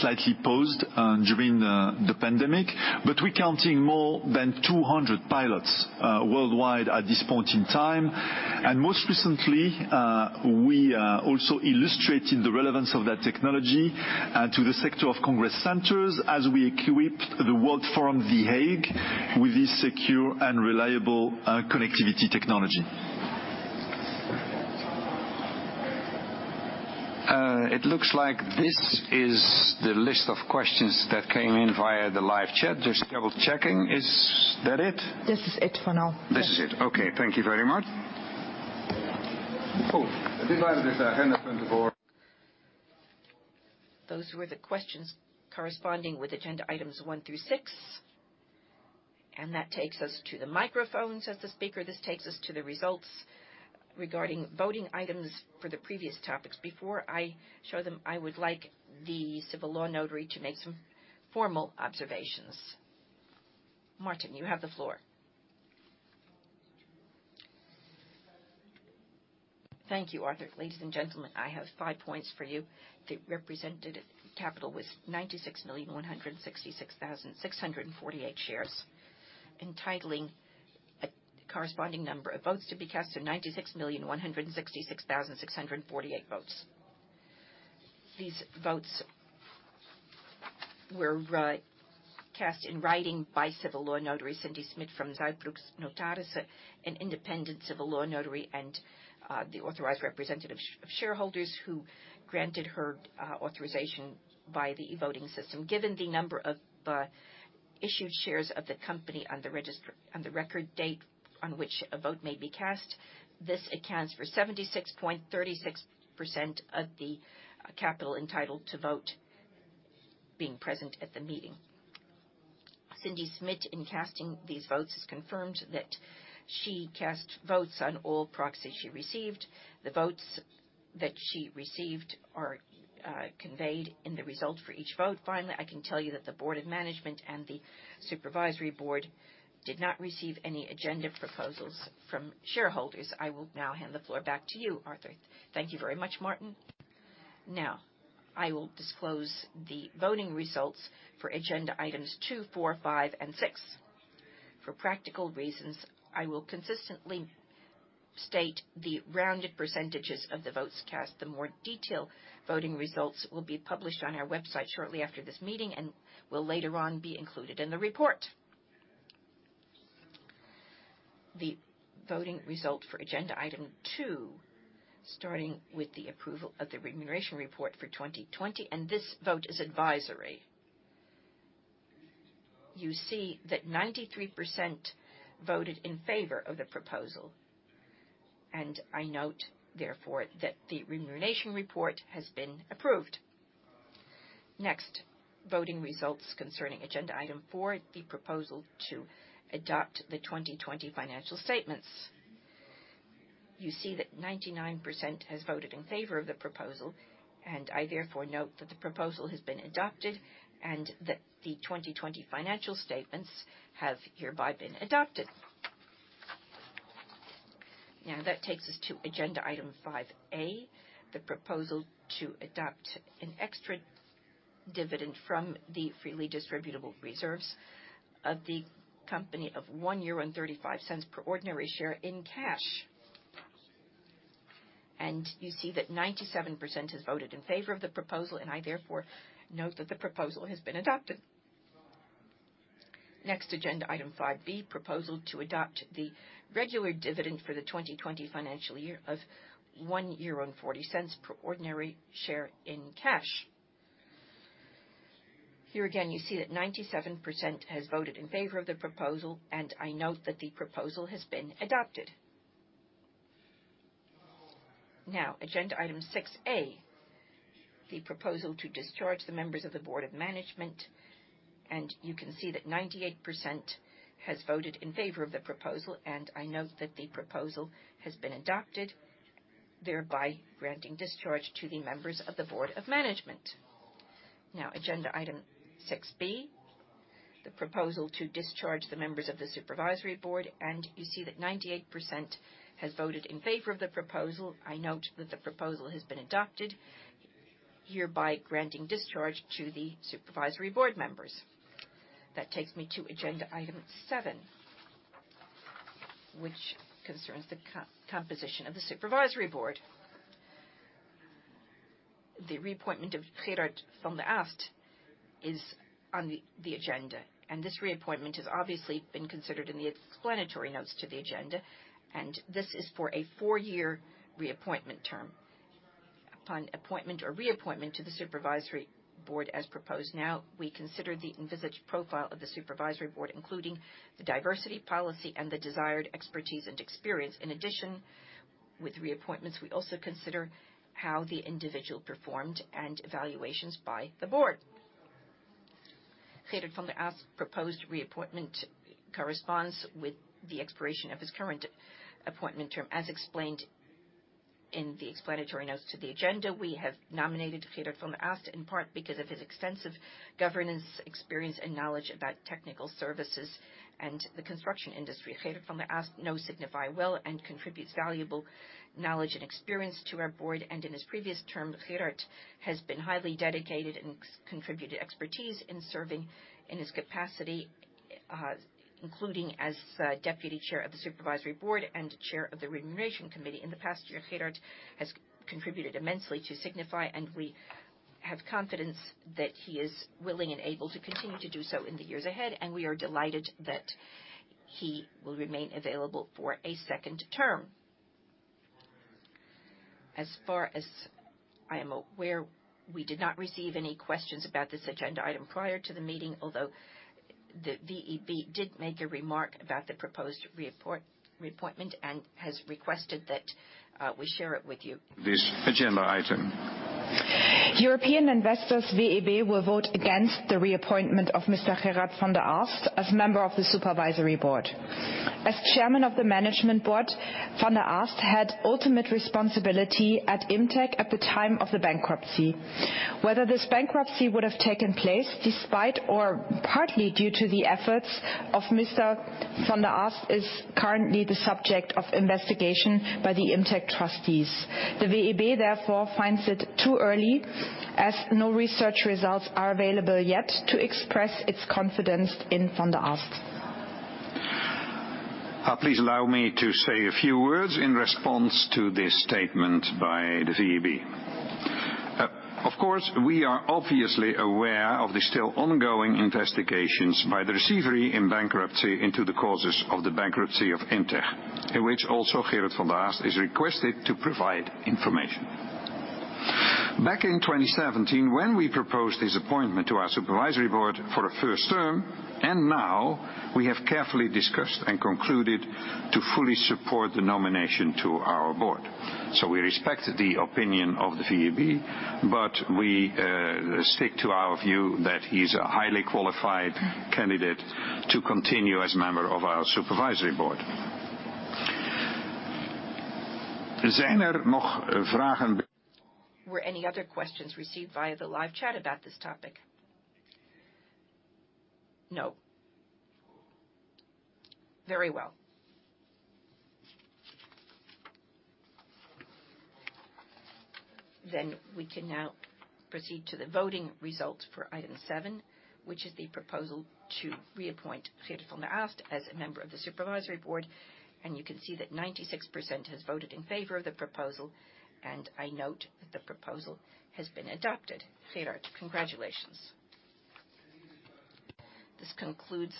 slightly paused during the pandemic, but we're counting more than 200 pilots worldwide at this point in time. Most recently, we also illustrated the relevance of that technology to the sector of congress centers as we equipped the World Forum, The Hague, with this secure and reliable connectivity technology.
It looks like this is the list of questions that came in via the live chat. Just double-checking. Is that it?
This is it for now.
This is it. Okay. Thank you very much. The time is 10:24. Those were the questions corresponding with agenda items one through six. That takes us to the microphones says the speaker. This takes us to the results regarding voting items for the previous topics. Before I show them, I would like the civil law notary to make some formal observations. Martin you have the floor.
Thank you Arthur. Ladies and gentlemen, I have five points for you. The represented capital was 96,166,648 shares, entitling. The corresponding number of votes to be cast is 96,166,648 votes. These votes were cast in writing by Civil Law Notary Cindy Smit from Zuidbroek Notarissen, an independent civil law notary, and the authorized representatives of shareholders who granted her authorization by the e-voting system. Given the number of issued shares of the company on the record date on which a vote may be cast, this accounts for 76.36% of the capital entitled to vote being present at the meeting. Cindy Smit, in casting these votes, has confirmed that she cast votes on all proxies she received. The votes that she received are conveyed in the result for each vote. Finally, I can tell you that the Board of Management and the Supervisory Board did not receive any agenda proposals from shareholders. I will now hand the floor back to you Arthur.
Thank you very much Martin. Now, I will disclose the voting results for agenda items 2, 4, 5, and 6. For practical reasons, I will consistently state the rounded percentages of the votes cast. The more detailed voting results will be published on our website shortly after this meeting and will later on be included in the report. The voting result for agenda item two, starting with the approval of the remuneration report for 2020. This vote is advisory. You see that 93% voted in favor of the proposal. I note therefore that the remuneration report has been approved. Next, voting results concerning agenda item four, the proposal to adopt the 2020 financial statements. You see that 99% has voted in favor of the proposal. I therefore note that the proposal has been adopted and that the 2020 financial statements have hereby been adopted. That takes us to agenda item 5A, the proposal to adopt an extra dividend from the freely distributable reserves of the company of 1.35 euro per ordinary share in cash. You see that 97% has voted in favor of the proposal, and I therefore note that the proposal has been adopted. Next, agenda item 5B, proposal to adopt the regular dividend for the 2020 financial year of 1.40 euro per ordinary share in cash. Here again, you see that 97% has voted in favor of the proposal, and I note that the proposal has been adopted. Agenda item 6A, the proposal to discharge the members of the Board of Management, and you can see that 98% has voted in favor of the proposal, and I note that the proposal has been adopted, thereby granting discharge to the members of the Board of Management. Agenda item 6B, the proposal to discharge the members of the Supervisory Board, and you see that 98% has voted in favor of the proposal. I note that the proposal has been adopted, hereby granting discharge to the Supervisory Board members. That takes me to agenda item seven, which concerns the composition of the Supervisory Board. The reappointment of Gerard van de Aast is on the agenda, and this reappointment has obviously been considered in the explanatory notes to the agenda, and this is for a four-year reappointment term. Upon appointment or reappointment to the Supervisory Board as proposed now, we consider the individual profile of the Supervisory Board, including the diversity policy and the desired expertise and experience. In addition, with reappointments, we also consider how the individual performed and evaluations by the Board. Gerard van de Aast proposed reappointment corresponds with the expiration of his current appointment term. As explained in the explanatory notes to the agenda, we have nominated Gerard van de Aast in part because of his extensive governance experience and knowledge about technical services and the construction industry. Gerard van de Aast knows Signify well and contributes valuable knowledge and experience to our Board. In his previous term, Gerard has been highly dedicated and contributed expertise in serving in his capacity, including as Deputy Chair of the Supervisory Board and Chair of the Remuneration Committee. In the past year, Gerard has contributed immensely to Signify, and we have confidence that he is willing and able to continue to do so in the years ahead, and we are delighted that he will remain available for a second term. As far as I'm aware, we did not receive any questions about this agenda item prior to the meeting, although the VEB did make a remark about the proposed reappointment and has requested that we share it with you. This agenda item.
European Investors-VEB will vote against the reappointment of Mr. Gerard van de Aast as member of the Supervisory Board. As chairman of the Management Board, Van de Aast had ultimate responsibility at Imtech at the time of the bankruptcy. Whether this bankruptcy would have taken place despite or partly due to the efforts of Mr. Van de Aast is currently the subject of investigation by the Imtech trustees. The VEB therefore finds it too early, as no research results are available yet, to express its confidence in Van de Aast.
Please allow me to say a few words in response to this statement by the VEB. Of course, we are obviously aware of the still ongoing investigations by the receiver in bankruptcy into the causes of the bankruptcy of Imtech, in which also Gerard van de Aast is requested to provide information. Back in 2017, when we proposed his appointment to our supervisory board for a first term, and now, we have carefully discussed and concluded to fully support the nomination to our board. We respected the opinion of the VEB, but we stick to our view that he's a highly qualified candidate to continue as member of our supervisory board. Were any other questions received via the live chat about this topic? No. Very well. We can now proceed to the voting results for item seven, which is the proposal to reappoint Gerard van de Aast as a member of the supervisory board, and you can see that 96% has voted in favor of the proposal, and I note that the proposal has been adopted. Gerard, congratulations. This concludes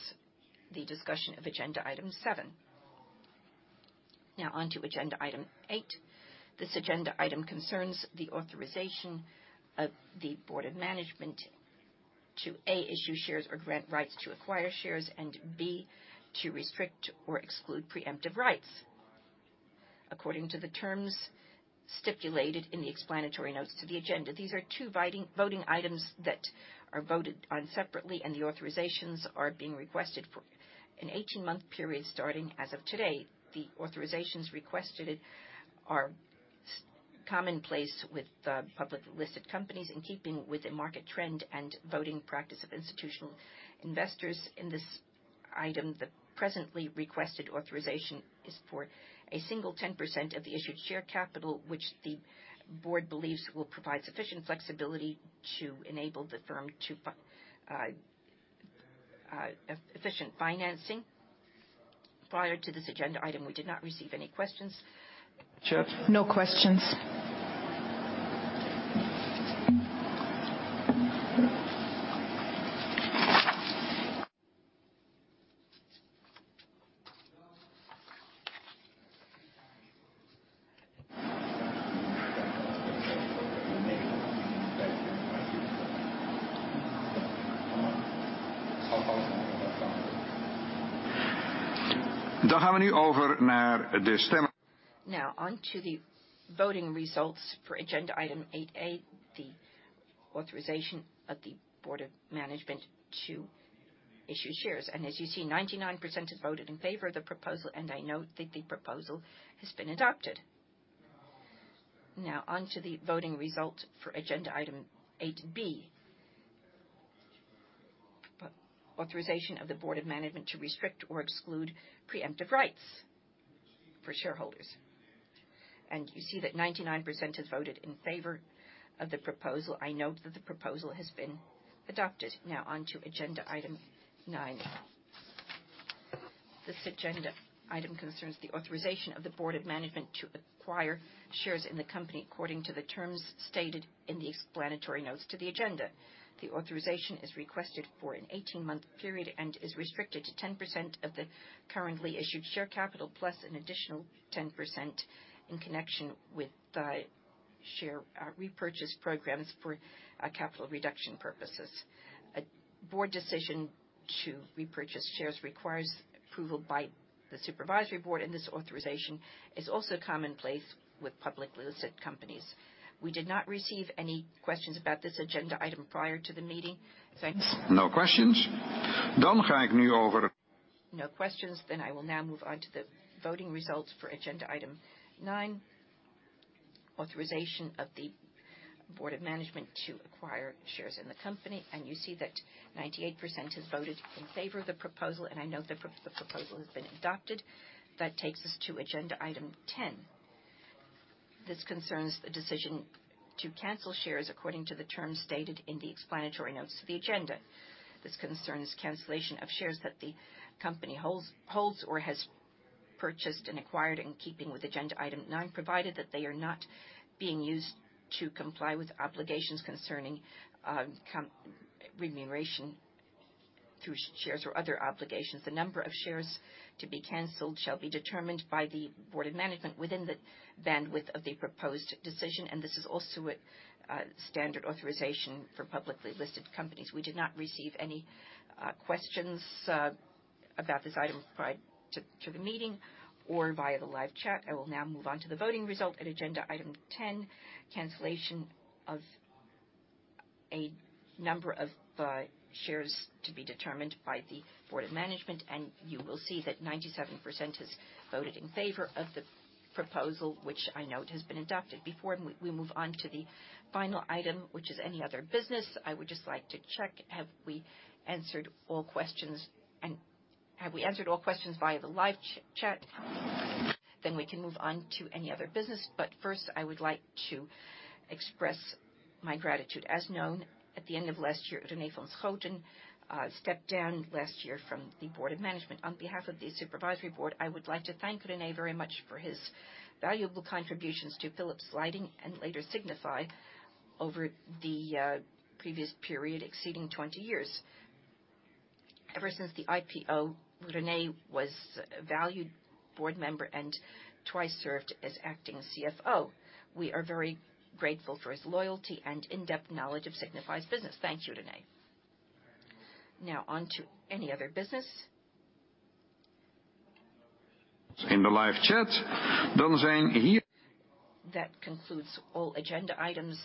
the discussion of agenda item seven. On to agenda item eight. This agenda item concerns the authorization of the board of management to, A, issue shares or grant rights to acquire shares, and B, to restrict or exclude preemptive rights according to the terms stipulated in the explanatory notes to the agenda. These are two voting items that are voted on separately, and the authorizations are being requested for an 18-month period starting as of today. The authorizations requested are commonplace with public listed companies in keeping with the market trend and voting practice of institutional investors. In this item, the presently requested authorization is for a single 10% of the issued share capital, which the board believes will provide sufficient flexibility to enable the firm efficient financing. Prior to this agenda item, we did not receive any questions. No questions. On to the voting results for agenda item 8A, the authorization of the board of management to issue shares. As you see, 99% has voted in favor of the proposal, and I note that the proposal has been adopted. On to the voting results for agenda item 8B, authorization of the board of management to restrict or exclude preemptive rights for shareholders. You see that 99% has voted in favor of the proposal. I note that the proposal has been adopted. On to agenda item nine. This agenda item concerns the authorization of the board of management to acquire shares in the company according to the terms stated in the explanatory notes to the agenda. The authorization is requested for an 18-month period and is restricted to 10% of the currently issued share capital, plus an additional 10% in connection with share repurchase programs for capital reduction purposes. A board decision to repurchase shares requires approval by the supervisory board. This authorization is also commonplace with publicly listed companies. We did not receive any questions about this agenda item prior to the meeting. Thanks.
No questions.
No questions, then I will now move on to the voting results for agenda item nine, authorization of the board of management to acquire shares in the company. You see that 98% has voted in favor of the proposal, and I note that the proposal has been adopted. That takes us to agenda item 10. This concerns the decision to cancel shares according to the terms stated in the explanatory notes to the agenda. This concerns cancellation of shares that the company holds or has purchased and acquired in keeping with agenda item nine, provided that they are not being used to comply with obligations concerning remuneration through shares or other obligations. The number of shares to be canceled shall be determined by the board of management within the bandwidth of the proposed decision, and this is also a standard authorization for publicly listed companies. We did not receive any questions about this item prior to the meeting or via the live chat. I will now move on to the voting result of agenda item 10, cancellation of a number of shares to be determined by the Board of Management. You will see that 97% has voted in favor of the proposal, which I note has been adopted. Before we move on to the final item, which is any other business, I would just like to check, have we answered all questions via the live chat? We can move on to any other business. First, I would like to express my gratitude. As known, at the end of last year, René van Schooten stepped down last year from the Board of Management. On behalf of the supervisory board, I would like to thank René very much for his valuable contributions to Philips Lighting and later Signify over the previous period exceeding 20 years. Ever since the IPO, René was a valued board member and twice served as acting CFO. We are very grateful for his loyalty and in-depth knowledge of Signify's business. Thank you, René. Now on to any other business. In the live chat. That concludes all agenda items,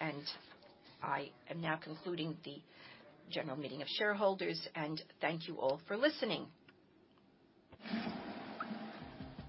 and I am now concluding the general meeting of shareholders. Thank you all for listening.